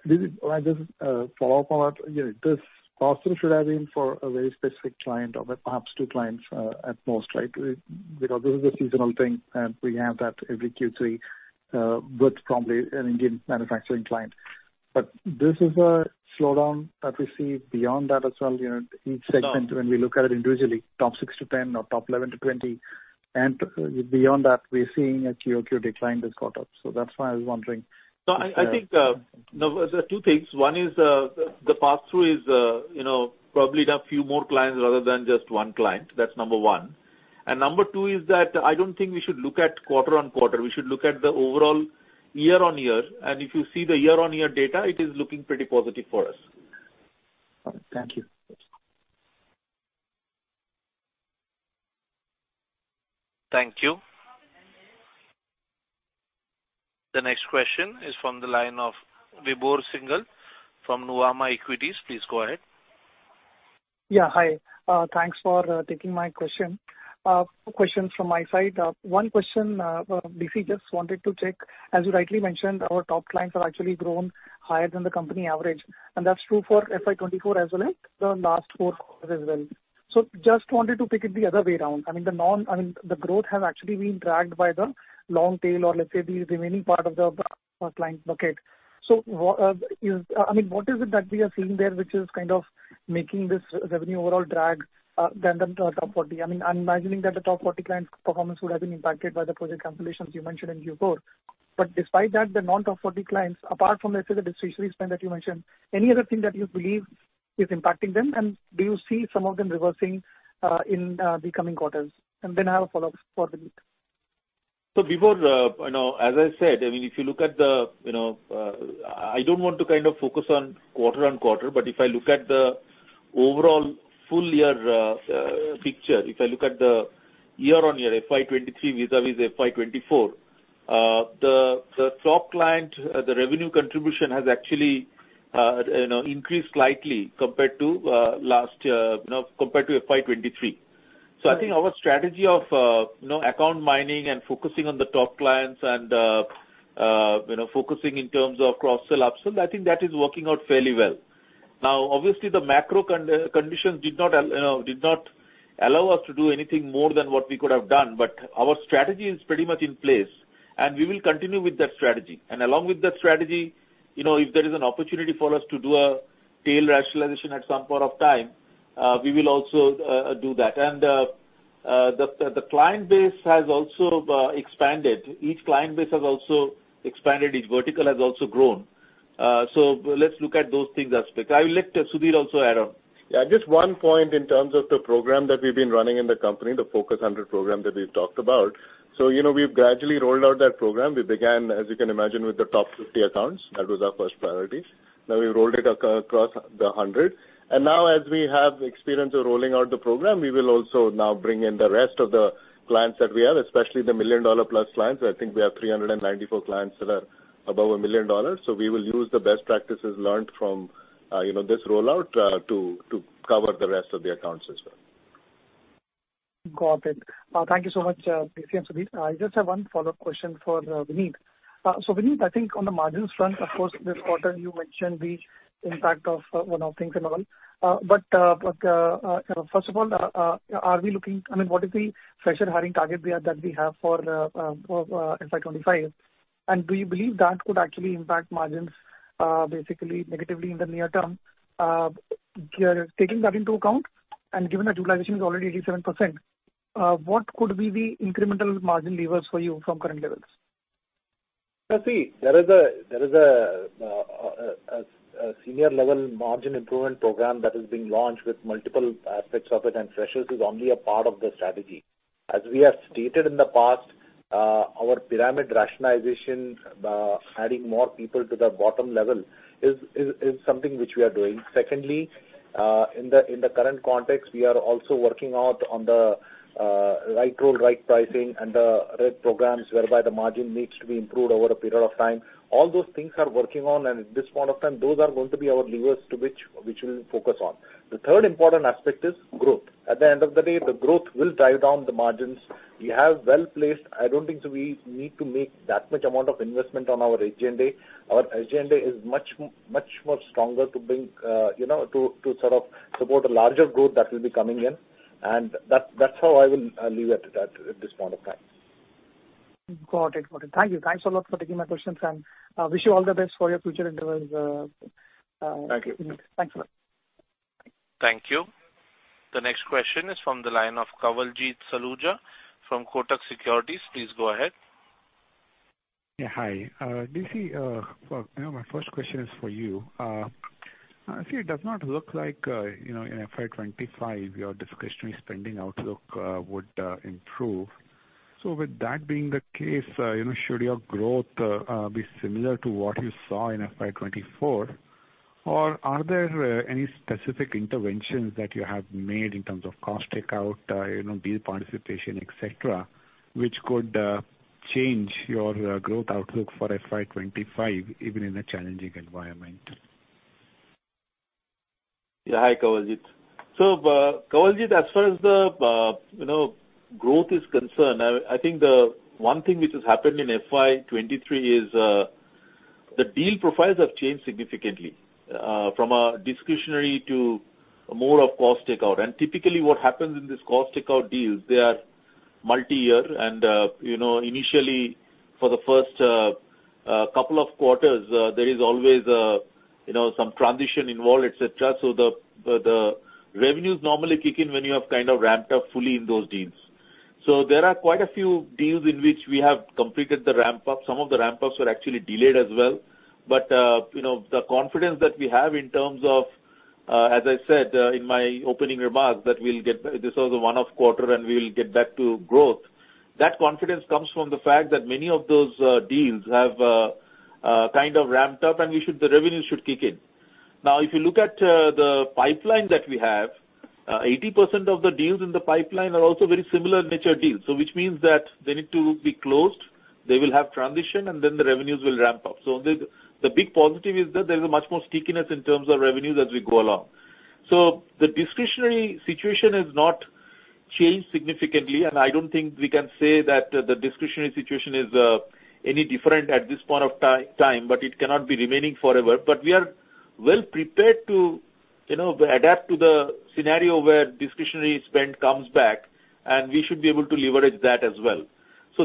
S3: This is just a follow-up on that. This pass-through should have been for a very specific client or perhaps two clients at most, right, because this is a seasonal thing. We have that every Q3 with probably an Indian manufacturing client. This is a slowdown that we see beyond that as well, each segment, when we look at it individually, top 6-10 or top 11-20. And beyond that, we're seeing a QOQ decline this quarter. That's why I was wondering. I think there are two things. One is the pass-through is probably a few more clients rather than just one client. That's number one. Number two is that I don't think we should look at quarter-on-quarter. We should look at the overall year-on-year. If you see the year-on-year data, it is looking pretty positive for us. All right. Thank you.
S2: Thank you. The next question is from the line of Vibhor Singhal from Nuvama Equities. Please go ahead. Yeah. Hi. Thanks for taking my question. Question from my side. One question, DC, just wanted to check. As you rightly mentioned, our top clients have actually grown higher than the company average. And that's true for FY24 as well. The last four quarters as well. So just wanted to pick it the other way around. I mean, the growth has actually been dragged by the long tail or, let's say, the remaining part of the client bucket. So I mean, what is it that we are seeing there which is kind of making this revenue overall drag than the top 40? I mean, I'm imagining that the top 40 clients' performance would have been impacted by the project cancellations you mentioned in Q4. But despite that, the non-top 40 clients, apart from, let's say, the discretionary spend that you mentioned, any other thing that you believe is impacting them? Do you see some of them reversing in the coming quarters? And then I have a follow-up for Vinit.
S3: So, Vibor, as I said, I mean, if you look at the, I don't want to kind of focus on quarter-on-quarter. But if I look at the overall full-year picture, if I look at the year-on-year FY 2023 vis-à-vis FY 2024, the top client, the revenue contribution has actually increased slightly compared to last year compared to FY 2023. So I think our strategy of account mining and focusing on the top clients and focusing in terms of cross-sell, upsell, I think that is working out fairly well. Now, obviously, the macro conditions did not allow us to do anything more than what we could have done. But our strategy is pretty much in place. And we will continue with that strategy. And along with that strategy, if there is an opportunity for us to do a tail rationalization at some point of time, we will also do that. The client base has also expanded. Each client base has also expanded. Each vertical has also grown. So let's look at those things as such. I will let Sudhir also add on.
S2: Yeah. Just one point in terms of the program that we've been running in the company, the Focus 100 program that we've talked about. So we've gradually rolled out that program. We began, as you can imagine, with the top 50 accounts. That was our first priority. Now, we've rolled it across the 100. And now, as we have experience of rolling out the program, we will also now bring in the rest of the clients that we have, especially the million-dollar-plus clients. I think we have 394 clients that are above a million dollars. So we will use the best practices learned from this rollout to cover the rest of the accounts as well. Got it. Thank you so much, DC and Sudhir. I just have one follow-up question for Vinit. So Vinit, I think on the margins front, of course, this quarter, you mentioned the impact of one of things and all. But first of all, are we looking—I mean, what is the fresh hiring target that we have for FY25? And do you believe that could actually impact margins basically negatively in the near term? Taking that into account and given that utilization is already 87%, what could be the incremental margin levers for you from current levels?
S3: Let's see. There is a senior-level margin improvement program that is being launched with multiple aspects of it. Freshers is only a part of the strategy. As we have stated in the past, our pyramid rationalization, adding more people to the bottom level, is something which we are doing. Secondly, in the current context, we are also working out on the right role, right pricing, and the red programs whereby the margin needs to be improved over a period of time. All those things are working on. At this point of time, those are going to be our levers which we'll focus on. The third important aspect is growth. At the end of the day, the growth will drive down the margins. We have well-placed. I don't think we need to make that much amount of investment on our agenda. Our agenda is much, much more stronger to sort of support a larger growth that will be coming in. That's how I will leave it at this point of time. Got it. Got it. Thank you. Thanks a lot for taking my questions. And wish you all the best for your future interviews. Thank you. Vinit, thanks a lot.
S2: Thank you. The next question is from the line of Kavaljeet Saluja from Kotak Securities. Please go ahead. Yeah. Hi. DC, my first question is for you. See, it does not look like in FY25, your discretionary spending outlook would improve. So with that being the case, should your growth be similar to what you saw in FY24? Or are there any specific interventions that you have made in terms of cost takeout, deal participation, etc., which could change your growth outlook for FY25 even in a challenging environment?
S3: Yeah. Hi, Kavaljeet. So, Kavaljeet, as far as the growth is concerned, I think the one thing which has happened in FY 2023 is the deal profiles have changed significantly from a discretionary to more of cost takeout. And typically, what happens in these cost takeout deals, they are multi-year. And initially, for the first couple of quarters, there is always some transition involved, etc. So the revenues normally kick in when you have kind of ramped up fully in those deals. So there are quite a few deals in which we have completed the ramp-up. Some of the ramp-ups were actually delayed as well. But the confidence that we have in terms of, as I said in my opening remarks, that we'll get this was a one-off quarter, and we'll get back to growth, that confidence comes from the fact that many of those deals have kind of ramped up. The revenues should kick in. Now, if you look at the pipeline that we have, 80% of the deals in the pipeline are also very similar-nature deals, which means that they need to be closed. They will have transition. Then the revenues will ramp up. The big positive is that there is a much more stickiness in terms of revenues as we go along. The discretionary situation has not changed significantly. I don't think we can say that the discretionary situation is any different at this point of time. It cannot be remaining forever. We are well prepared to adapt to the scenario where discretionary spend comes back. We should be able to leverage that as well.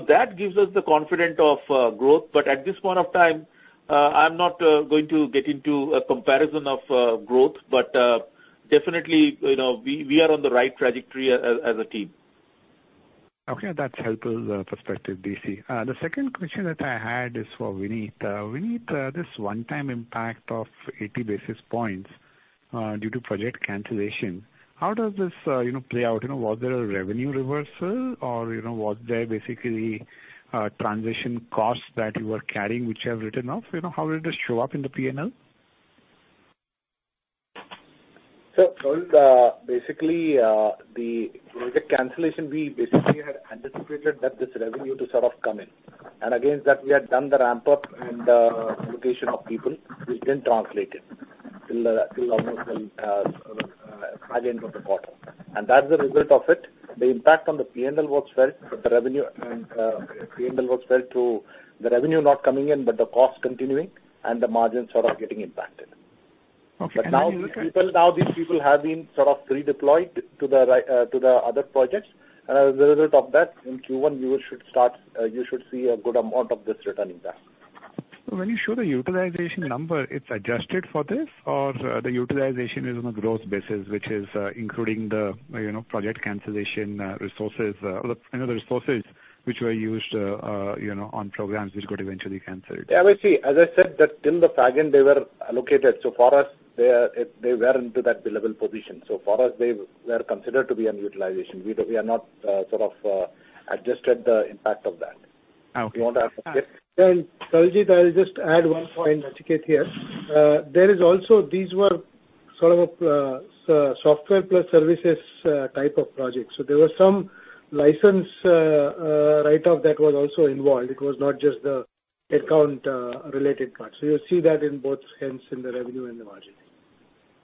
S3: That gives us the confidence of growth. At this point of time, I'm not going to get into a comparison of growth. Definitely, we are on the right trajectory as a team. Okay. That's a helpful perspective, DC. The second question that I had is for Vinit. Vinit, this one-time impact of 80 basis points due to project cancellation, how does this play out? Was there a revenue reversal? Or was there basically transition costs that you were carrying which have written off? How did it show up in the P&L? So basically, the project cancellation, we basically had anticipated that this revenue to sort of come in. And against that, we had done the ramp-up and allocation of people. We didn't translate it till almost the end of the quarter. And that's the result of it. The impact on the P&L was felt. But the revenue and P&L was felt through the revenue not coming in but the cost continuing and the margins sort of getting impacted. But now, these people have been sort of pre-deployed to the other projects. And as a result of that, in Q1, you should see a good amount of this returning back. When you show the utilization number, it's adjusted for this? Or the utilization is on a gross basis, which is including the project cancellation resources or the resources which were used on programs which got eventually canceled? Yeah. Let's see. As I said, till the fragment, they were allocated. So for us, they were into that billable position. So for us, they were considered to be on utilization. We are not sort of adjusted the impact of that. Okay. Kavaljeet, I'll just add one point, Nachiket, here. These were sort of software-plus-services type of projects. So there was some license write-off that was also involved. It was not just the account-related part. So you'll see that in both hence in the revenue and the margin.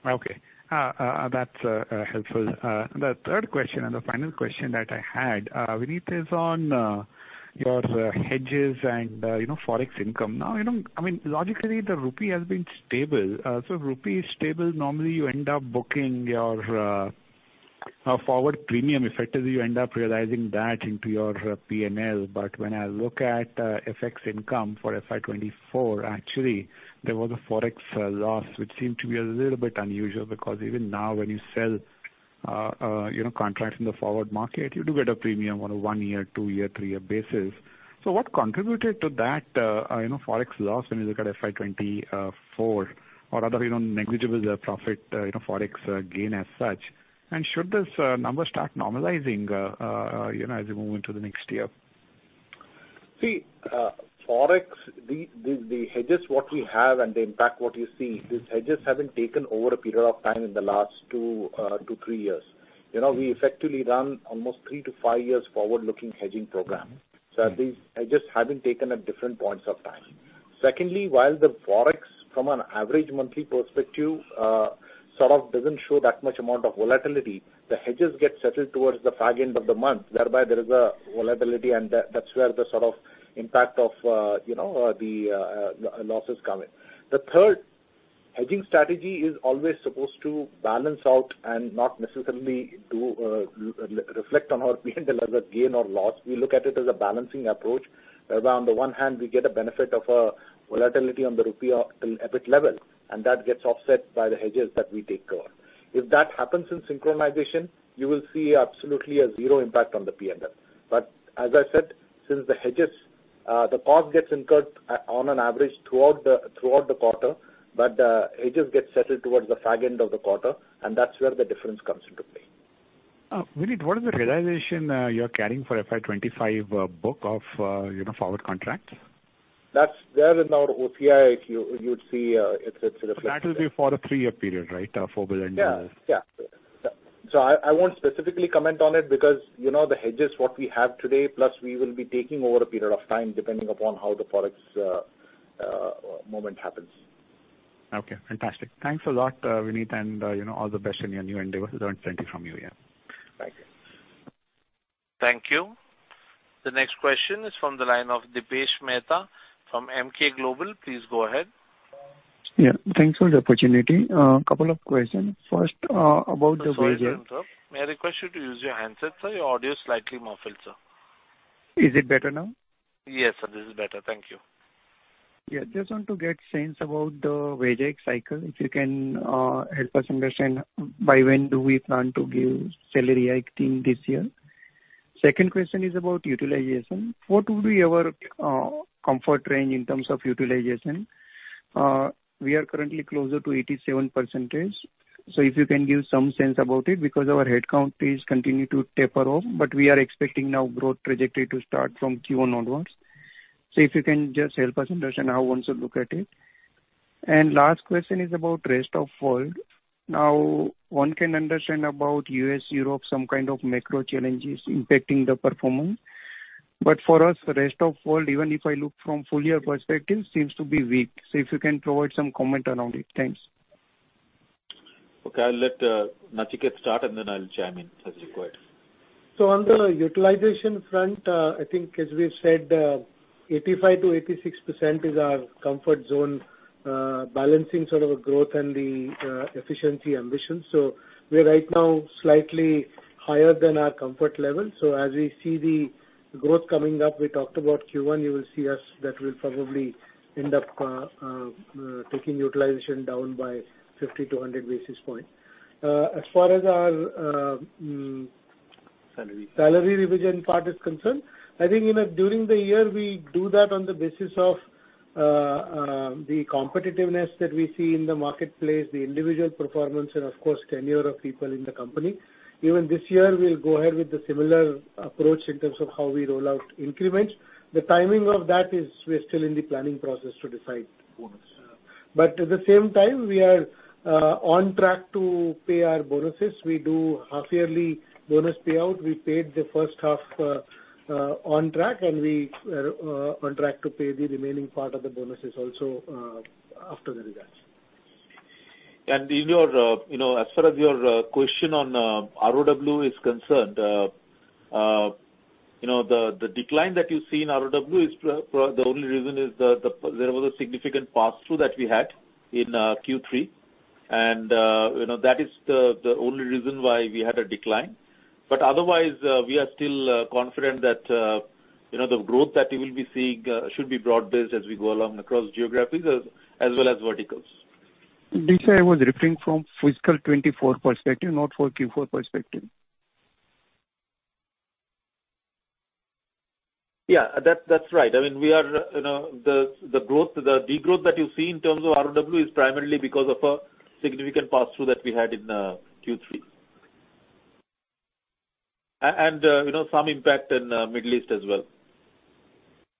S3: Okay. That's helpful. The third question and the final question that I had, Vinit, is on your hedges and forex income. Now, I mean, logically, the rupee has been stable. So rupee is stable. Normally, you end up booking your forward premium. Effectively, you end up realizing that into your P&L. But when I look at FX income for FY24, actually, there was a forex loss which seemed to be a little bit unusual because even now, when you sell contracts in the forward market, you do get a premium on a one-year, two-year, three-year basis. So what contributed to that forex loss when you look at FY24 or other negligible profit forex gain as such? And should this number start normalizing as you move into the next year? See, forex, the hedges, what we have, and the impact what you see, these hedges haven't taken over a period of time in the last 2-3 years. We effectively run almost 3-5 years forward-looking hedging program. So these hedges haven't taken at different points of time. Secondly, while the forex, from an average monthly perspective, sort of doesn't show that much amount of volatility, the hedges get settled towards the fragment of the month. Thereby, there is a volatility. And that's where the sort of impact of the losses come in. The third hedging strategy is always supposed to balance out and not necessarily reflect on our P&L as a gain or loss. We look at it as a balancing approach. Thereby, on the one hand, we get a benefit of volatility on the rupee at its level. That gets offset by the hedges that we take care of. If that happens in synchronization, you will see absolutely a zero impact on the P&L. But as I said, since the cost gets incurred on an average throughout the quarter, but the hedges get settled towards the fragment of the quarter. And that's where the difference comes into play. Vinit, what is the realization you're carrying for FY25 book of forward contracts? They're in our OCI. You would see it's reflected. That will be for a 3-year period, right, for bill and deal? Yeah. Yeah. So I won't specifically comment on it because the hedges, what we have today, plus we will be taking more over a period of time depending upon how the forex movement happens. Okay. Fantastic. Thanks a lot, Vinit, and all the best in your new endeavor. Learn plenty from you here. Thank you.
S2: Thank you. The next question is from the line of Debashis Mehta from MK Global. Please go ahead. Yeah. Thanks for the opportunity. A couple of questions. First, about the wages. Sorry to interrupt. May I request you to use your handset, sir? Your audio is slightly muffled, sir. Is it better now? Yes, sir. This is better. Thank you. Yeah. Just want to get sense about the wage cycle if you can help us understand by when do we plan to give salary hike team this year. Second question is about utilization. What would be your comfort range in terms of utilization? We are currently closer to 87%. So if you can give some sense about it because our headcount is continuing to taper off. But we are expecting now growth trajectory to start from Q1 onwards. So if you can just help us understand how we want to look at it. And last question is about rest of world. Now, one can understand about US, Europe, some kind of macro challenges impacting the performance. But for us, rest of world, even if I look from full-year perspective, seems to be weak. So if you can provide some comment around it. Thanks. Okay. I'll let Nachiket start. Then I'll chime in as required.
S3: So on the utilization front, I think, as we've said, 85%-86% is our comfort zone balancing sort of growth and the efficiency ambitions. So we are right now slightly higher than our comfort level. So as we see the growth coming up, we talked about Q1, you will see us that will probably end up taking utilization down by 50-100 basis points. As far as our.
S2: Salary revision.
S3: Salary revision part is concerned, I think during the year, we do that on the basis of the competitiveness that we see in the marketplace, the individual performance, and, of course, tenure of people in the company. Even this year, we'll go ahead with the similar approach in terms of how we roll out increments. The timing of that is we're still in the planning process to decide bonus. But at the same time, we are on track to pay our bonuses. We do half-yearly bonus payout. We paid the first half on track. And we are on track to pay the remaining part of the bonuses also after the results.
S2: As far as your question on ROW is concerned, the decline that you've seen ROW, the only reason is there was a significant pass-through that we had in Q3. That is the only reason why we had a decline. But otherwise, we are still confident that the growth that you will be seeing should be broad-based as we go along across geographies as well as verticals. DC, I was referring from fiscal 2024 perspective, not for Q4 perspective.
S3: Yeah. That's right. I mean, the degrowth that you see in terms of ROW is primarily because of a significant pass-through that we had in Q3 and some impact in the Middle East as well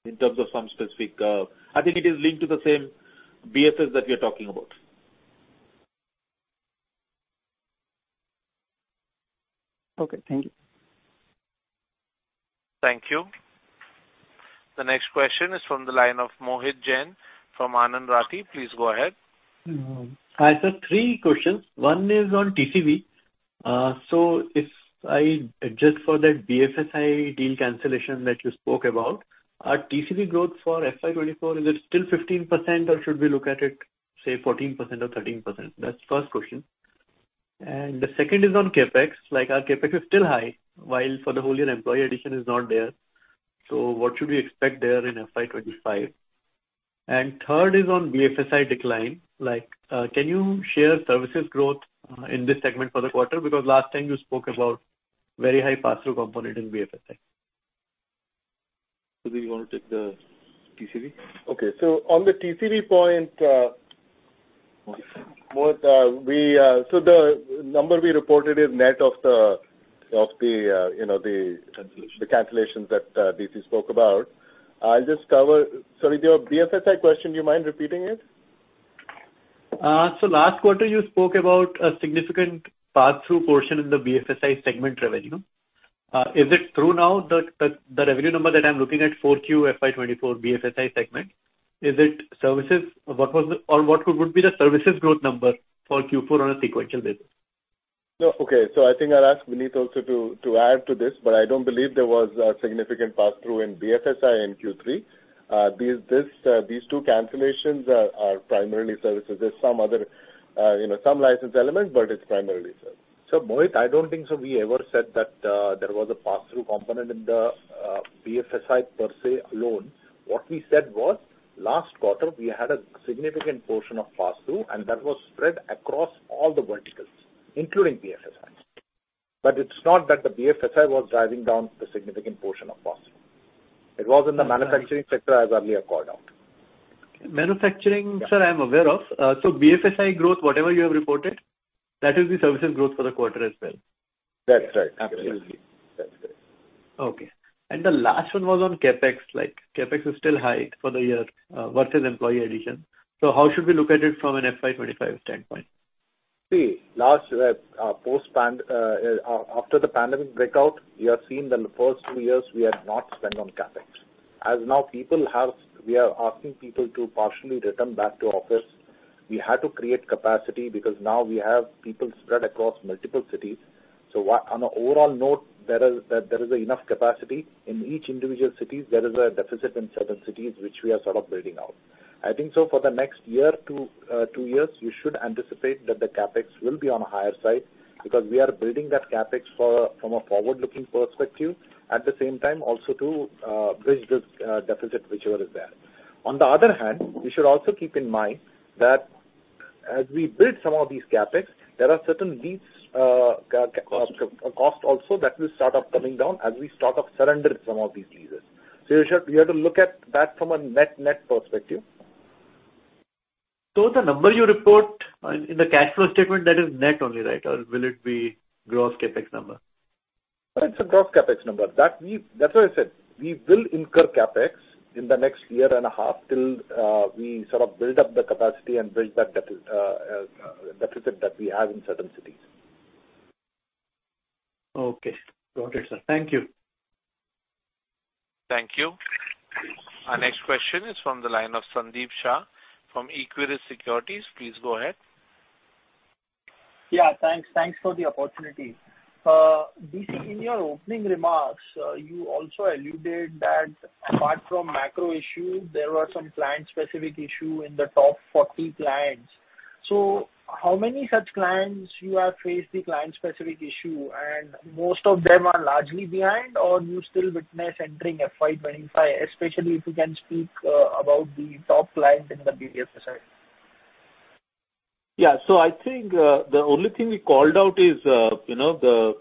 S3: in terms of some specific I think it is linked to the same BFS that we are talking about. Okay. Thank you.
S2: Thank you. The next question is from the line of Mohit Jain from Anand Rathi. Please go ahead. Hi, sir. Three questions. One is on TCV. If I adjust for that BFSI deal cancellation that you spoke about, our TCV growth for FY24, is it still 15%? Or should we look at it, say, 14% or 13%? That's the first question. The second is on CapEx. Our CapEx is still high while for the whole-year employee addition is not there. So what should we expect there in FY25? The third is on BFSI decline. Can you share services growth in this segment for the quarter? Because last time, you spoke about very high pass-through component in BFSI.
S3: Do you want to take the TCV?
S2: Okay. So on the TCV point, so the number we reported is net of the.
S3: Cancellations.
S2: The cancellations that DC spoke about. I'll just cover, sorry, the BFSI question. Do you mind repeating it?
S3: Last quarter, you spoke about a significant pass-through portion in the BFSI segment revenue. Is it true now that the revenue number that I'm looking at for QFY24 BFSI segment is services? Or, what would be the services growth number for Q4 on a sequential basis?
S2: Okay. So I think I'll ask Vinit also to add to this. But I don't believe there was a significant pass-through in BFSI in Q3. These two cancellations are primarily services. There's some license element. But it's primarily services.
S3: So, Mohit, I don't think so we ever said that there was a pass-through component in the BFSI per se alone. What we said was last quarter, we had a significant portion of pass-through. And that was spread across all the verticals including BFSI. But it's not that the BFSI was driving down the significant portion of pass-through. It was in the manufacturing sector as earlier called out. Manufacturing, sir, I'm aware of. So BFSI growth, whatever you have reported, that is the services growth for the quarter as well. That's right. Absolutely.
S2: That's great. Okay. And the last one was on CapEx. CapEx is still high for the year versus employee addition. So how should we look at it from an FY25 standpoint?
S3: See, after the pandemic breakout, you have seen the first two years, we had not spent on CapEx. As now, we are asking people to partially return back to office. We had to create capacity because now, we have people spread across multiple cities. So on an overall note, there is enough capacity. In each individual city, there is a deficit in certain cities which we are sort of building out. I think so for the next year to two years, you should anticipate that the CapEx will be on a higher side because we are building that CapEx from a forward-looking perspective. At the same time, also to bridge this deficit whichever is there. On the other hand, you should also keep in mind that as we build some of these CapEx, there are certain lease costs also that will start up coming down as we start up surrendering some of these leases. You have to look at that from a net-net perspective. The number you report in the cash flow statement, that is net only, right? Or will it be gross CapEx number? It's a gross CapEx number. That's what I said. We will incur CapEx in the next year and a half till we sort of build up the capacity and bridge that deficit that we have in certain cities. Okay. Got it, sir. Thank you.
S2: Thank you. Our next question is from the line of Sandeep Shah from Equiris Securities. Please go ahead. Yeah. Thanks. Thanks for the opportunity. DC, in your opening remarks, you also alluded that apart from macro issue, there were some client-specific issue in the top 40 clients. So how many such clients you have faced the client-specific issue? And most of them are largely behind? Or you still witness entering FY25, especially if you can speak about the top client in the BFSI?
S3: Yeah. So I think the only thing we called out is the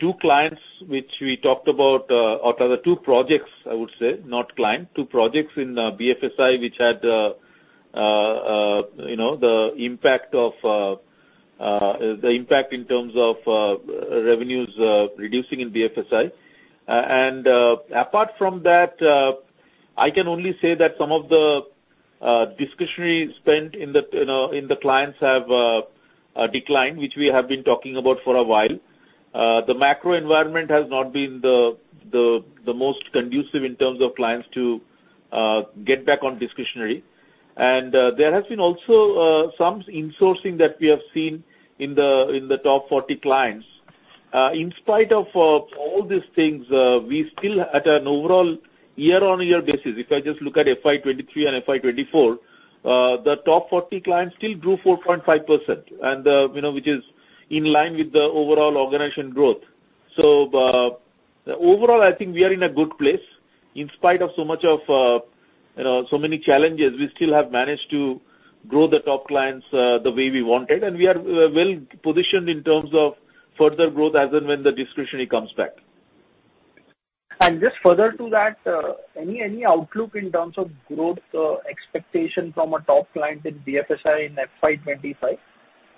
S3: two clients which we talked about or the two projects, I would say, not client, two projects in BFSI which had the impact in terms of revenues reducing in BFSI. Apart from that, I can only say that some of the discretionary spent in the clients have declined which we have been talking about for a while. The macro environment has not been the most conducive in terms of clients to get back on discretionary. There has been also some insourcing that we have seen in the top 40 clients. In spite of all these things, we still, at an overall year-on-year basis, if I just look at FY23 and FY24, the top 40 clients still grew 4.5% which is in line with the overall organization growth. Overall, I think we are in a good place. In spite of so many challenges, we still have managed to grow the top clients the way we wanted. We are well positioned in terms of further growth as and when the discretionary comes back. Just further to that, any outlook in terms of growth expectation from a top client in BFSI in FY 2025?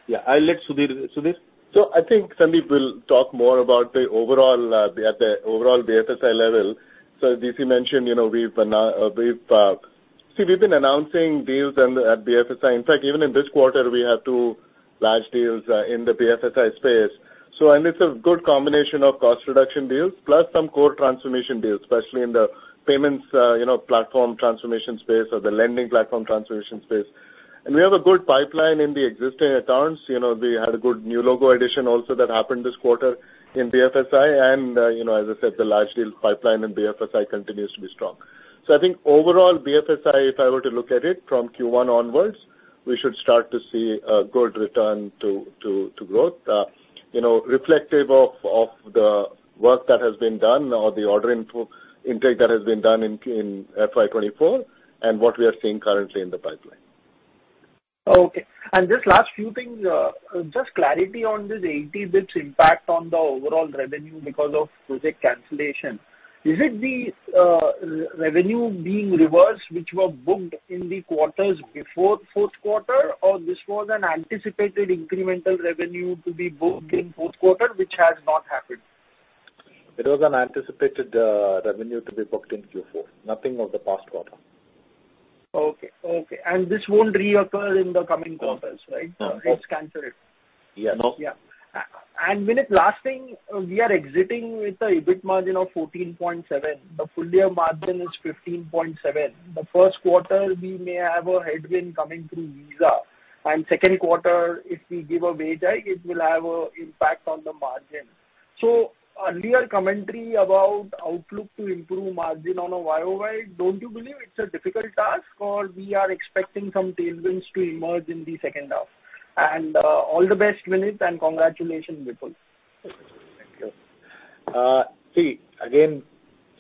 S3: Yeah. I'll let Sudhir speak.
S2: So I think Sandeep will talk more about the overall at the overall BFSI level. So DC mentioned we've seen, we've been announcing deals at BFSI. In fact, even in this quarter, we had two large deals in the BFSI space. And it's a good combination of cost-reduction deals plus some core transformation deals, especially in the payments platform transformation space or the lending platform transformation space. And we have a good pipeline in the existing accounts. We had a good new logo addition also that happened this quarter in BFSI. And as I said, the large deal pipeline in BFSI continues to be strong. So I think overall, BFSI, if I were to look at it from Q1 onwards, we should start to see a good return to growth reflective of the work that has been done or the order intake that has been done in FY2024 and what we are seeing currently in the pipeline. Okay. Just last few things, just clarity on this 80 basis points impact on the overall revenue because of project cancellation. Is it the revenue being reversed which were booked in the quarters before fourth quarter? Or this was an anticipated incremental revenue to be booked in fourth quarter which has not happened?
S3: It was an anticipated revenue to be booked in Q4, nothing of the past quarter. Okay. Okay. And this won't reoccur in the coming quarters, right? It's canceled. Yes. Yeah. And Minit, last thing, we are exiting with an EBIT margin of 14.7%. The full-year margin is 15.7%. The first quarter, we may have a headwind coming through visa. And second quarter, if we give a wage hike, it will have an impact on the margin. So, earlier commentary about outlook to improve margin on a YoY, don't you believe it's a difficult task? Or we are expecting some tailwinds to emerge in the second half? And all the best, Minit. And congratulations, Vipul. Thank you. See, again,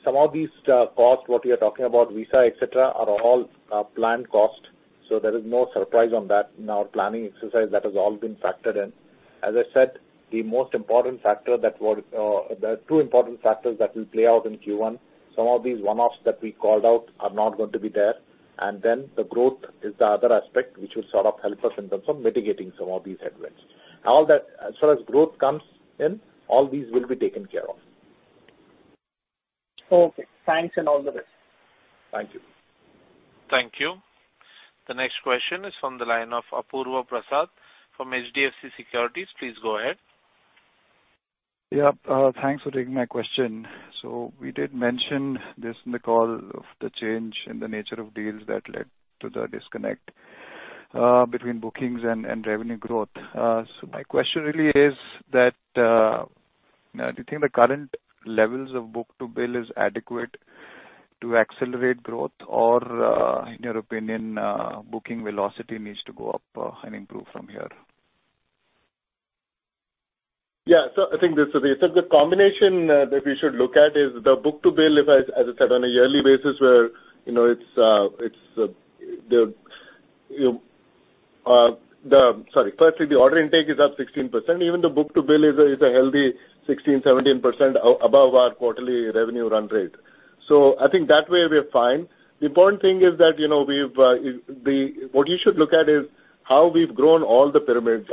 S3: some of these costs, what you are talking about, Visa, etc., are all planned costs. So there is no surprise on that in our planning exercise. That has all been factored in. As I said, the most important factor that there are two important factors that will play out in Q1. Some of these one-offs that we called out are not going to be there. And then the growth is the other aspect which will sort of help us in terms of mitigating some of these headwinds. As far as growth comes in, all these will be taken care of. Okay. Thanks and all the best. Thank you.
S2: Thank you. The next question is from the line of Apurva Prasad from HDFC Securities. Please go ahead. Yeah. Thanks for taking my question. So we did mention this in the call of the change in the nature of deals that led to the disconnect between bookings and revenue growth. So my question really is that do you think the current levels of book-to-bill is adequate to accelerate growth? Or in your opinion, booking velocity needs to go up and improve from here? Yeah. So I think the combination that we should look at is the book-to-bill, as I said, on a yearly basis where it's the sorry, firstly, the order intake is up 16%. Even the book-to-bill is a healthy 16%-17% above our quarterly revenue run rate. So I think that way, we are fine. The important thing is that we've what you should look at is how we've grown all the pyramid.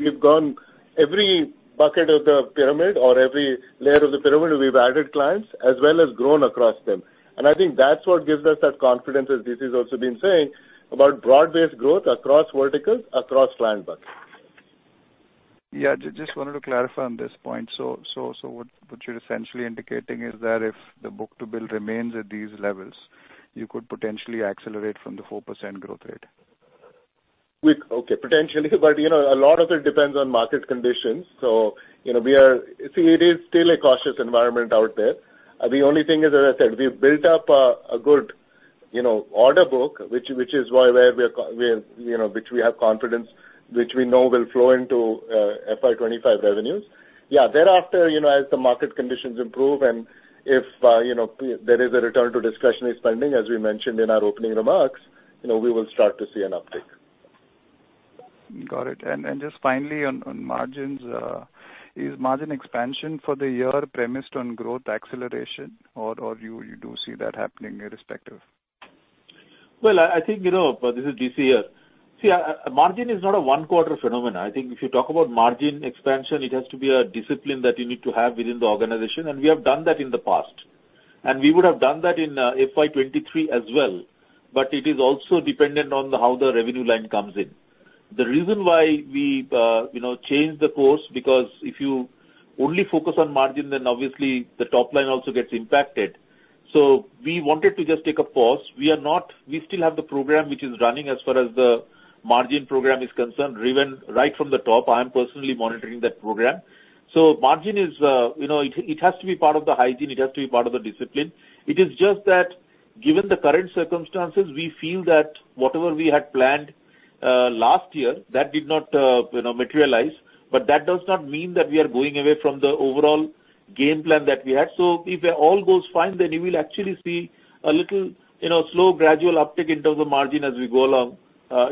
S2: We've gone every bucket of the pyramid or every layer of the pyramid. We've added clients as well as grown across them. And I think that's what gives us that confidence as DC has also been saying about broad-based growth across verticals, across client buckets. Yeah. Just wanted to clarify on this point. So what you're essentially indicating is that if the Book-to-Bill remains at these levels, you could potentially accelerate from the 4% growth rate? Okay. Potentially. But a lot of it depends on market conditions. So we are seeing, it is still a cautious environment out there. The only thing is, as I said, we've built up a good order book which is where we have confidence which we know will flow into FY25 revenues. Yeah. Thereafter, as the market conditions improve and if there is a return to discretionary spending, as we mentioned in our opening remarks, we will start to see an uptick. Got it. Just finally, on margins, is margin expansion for the year premised on growth acceleration? Or you do see that happening irrespective?
S3: Well, I think this is DC here. See, margin is not a one-quarter phenomenon. I think if you talk about margin expansion, it has to be a discipline that you need to have within the organization. And we have done that in the past. And we would have done that in FY2023 as well. But it is also dependent on how the revenue line comes in. The reason why we changed the course is because if you only focus on margin, then obviously, the top line also gets impacted. So we wanted to just take a pause. We still have the program which is running as far as the margin program is concerned driven right from the top. I am personally monitoring that program. So margin is, it has to be part of the hygiene. It has to be part of the discipline. It is just that given the current circumstances, we feel that whatever we had planned last year, that did not materialize. But that does not mean that we are going away from the overall game plan that we had. So if all goes fine, then you will actually see a little slow, gradual uptick in terms of margin as we go along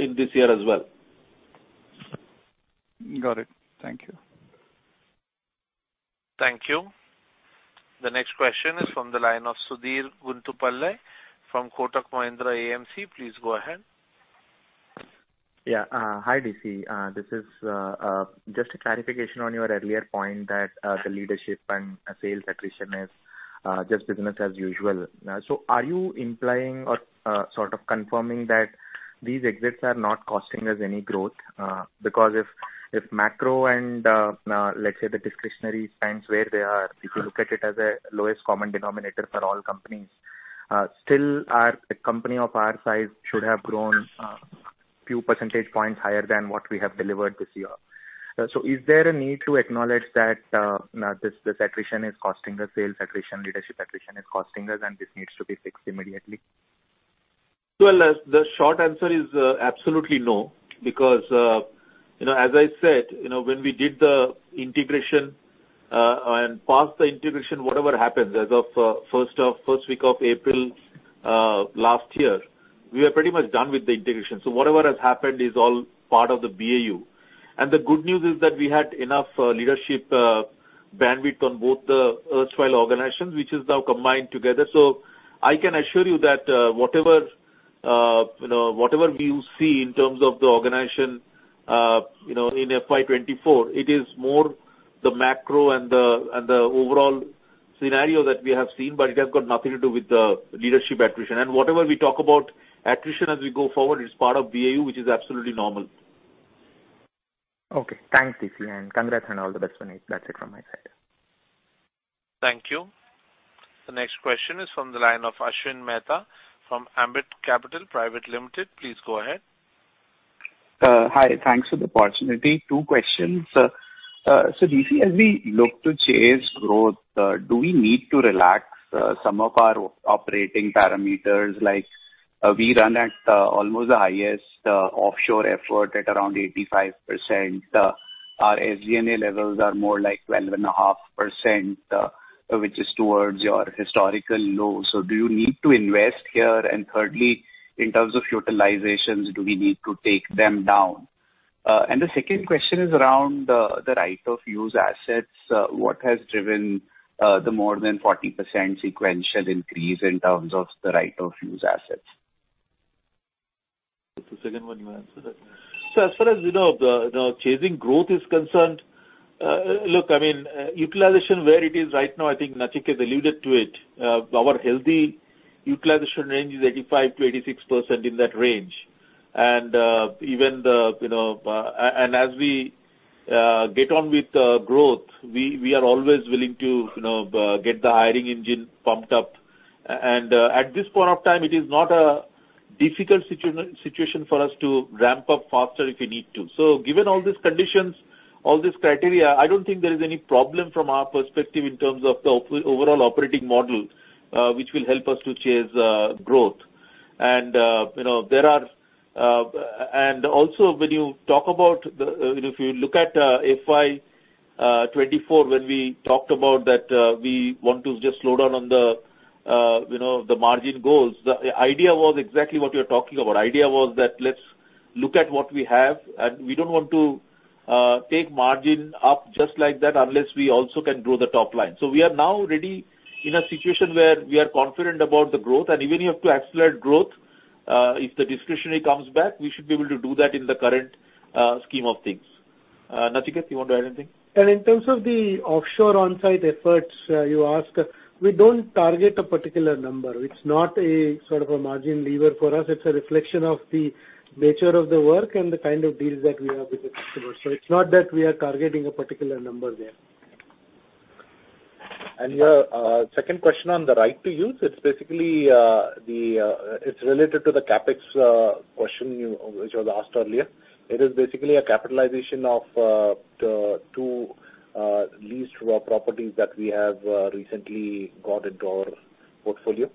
S3: in this year as well. Got it. Thank you.
S2: Thank you. The next question is from the line of Sudhir Guntupalle from Kotak Mahindra AMC. Please go ahead. Yeah. Hi, DC. This is just a clarification on your earlier point that the leadership and sales attrition is just business as usual. So are you implying or sort of confirming that these exits are not costing us any growth? Because if macro and, let's say, the discretionary spends where they are, if you look at it as a lowest common denominator for all companies, still, a company of our size should have grown a few percentage points higher than what we have delivered this year. So is there a need to acknowledge that this attrition is costing us, sales attrition, leadership attrition is costing us, and this needs to be fixed immediately?
S3: Well, the short answer is absolutely no. Because as I said, when we did the integration and passed the integration, whatever happens as of first week of April last year, we are pretty much done with the integration. So whatever has happened is all part of the BAU. And the good news is that we had enough leadership bandwidth on both the erstwhile organizations which is now combined together. So I can assure you that whatever we see in terms of the organization in FY24, it is more the macro and the overall scenario that we have seen. But it has got nothing to do with the leadership attrition. And whatever we talk about attrition as we go forward, it's part of BAU which is absolutely normal. Okay. Thanks, DC. And congrats and all the best, Vinit. That's it from my side.
S2: Thank you. The next question is from the line of Ashwin Mehta from Ambit Capital Pvt Ltd. Please go ahead. Hi. Thanks for the opportunity. Two questions. So DC, as we look to chase growth, do we need to relax some of our operating parameters? We run at almost the highest offshore effort at around 85%. Our SG&A levels are more like 12.5% which is towards your historical low. So do you need to invest here? And thirdly, in terms of utilizations, do we need to take them down? And the second question is around the right-of-use assets. What has driven the more than 40% sequential increase in terms of the right-of-use assets?
S3: The second one, you answered it. So as far as chasing growth is concerned, look, I mean, utilization where it is right now, I think Nachiket alluded to it. Our healthy utilization range is 85%-86% in that range. And even as we get on with growth, we are always willing to get the hiring engine pumped up. And at this point of time, it is not a difficult situation for us to ramp up faster if we need to. So given all these conditions, all these criteria, I don't think there is any problem from our perspective in terms of the overall operating model which will help us to chase growth. Also, when you talk about, if you look at FY 2024, when we talked about that we want to just slow down on the margin goals, the idea was exactly what you are talking about. The idea was that let's look at what we have. We don't want to take margin up just like that unless we also can grow the top line. So we are now ready in a situation where we are confident about the growth. Even if we have to accelerate growth, if the discretionary comes back, we should be able to do that in the current scheme of things. Nachiket, you want to add anything? In terms of the offshore onsite efforts you asked, we don't target a particular number. It's not sort of a margin lever for us. It's a reflection of the nature of the work and the kind of deals that we have with the customers. It's not that we are targeting a particular number there.
S2: Your second question on the right-of-use, it's basically. It's related to the CapEx question which was asked earlier. It is basically a capitalization of the two leased properties that we have recently got into our portfolio.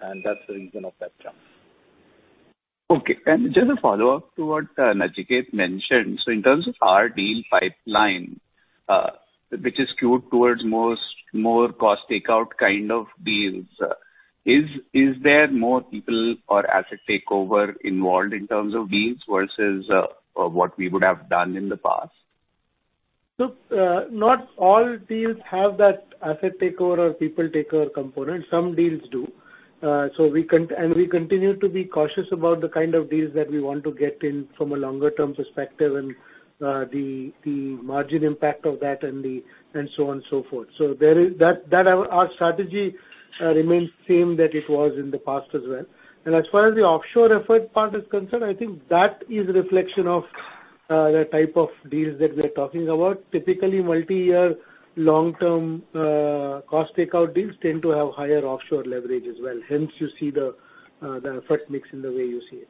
S2: That's the reason of that jump. Okay. And just a follow-up to what Nachiket mentioned. So in terms of our deal pipeline which is skewed towards more cost takeout kind of deals, is there more people or asset takeover involved in terms of deals versus what we would have done in the past? So not all deals have that asset takeover or people takeover component. Some deals do. We continue to be cautious about the kind of deals that we want to get in from a longer-term perspective and the margin impact of that and so on and so forth. Our strategy remains the same that it was in the past as well. As far as the offshore effort part is concerned, I think that is a reflection of the type of deals that we are talking about. Typically, multi-year, long-term cost takeout deals tend to have higher offshore leverage as well. Hence, you see the effort mix in the way you see it.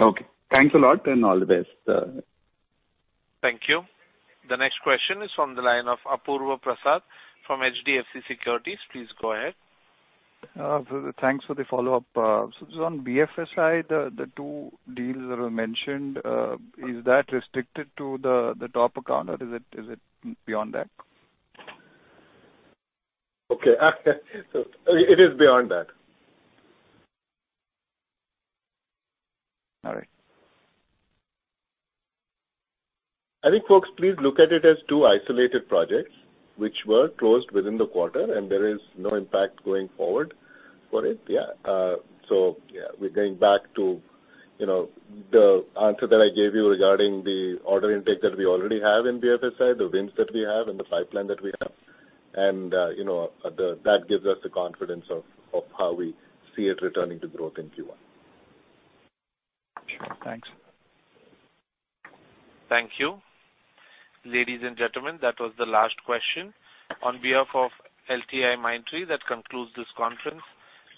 S2: Okay. Thanks a lot and all the best. Thank you. The next question is from the line of Apurva Prasad from HDFC Securities. Please go ahead. Thanks for the follow-up. So just on BFSI, the two deals that were mentioned, is that restricted to the top account? Or is it beyond that?
S3: Okay. So it is beyond that. All right.
S2: I think, folks, please look at it as two isolated projects which were closed within the quarter. There is no impact going forward for it. Yeah. So yeah, we're going back to the answer that I gave you regarding the order intake that we already have in BFSI, the wins that we have, and the pipeline that we have. That gives us the confidence of how we see it returning to growth in Q1. Sure. Thanks. Thank you. Ladies and gentlemen, that was the last question. On behalf of LTIMindtree, that concludes this conference.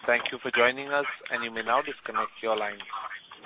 S2: Thank you for joining us. You may now disconnect your line.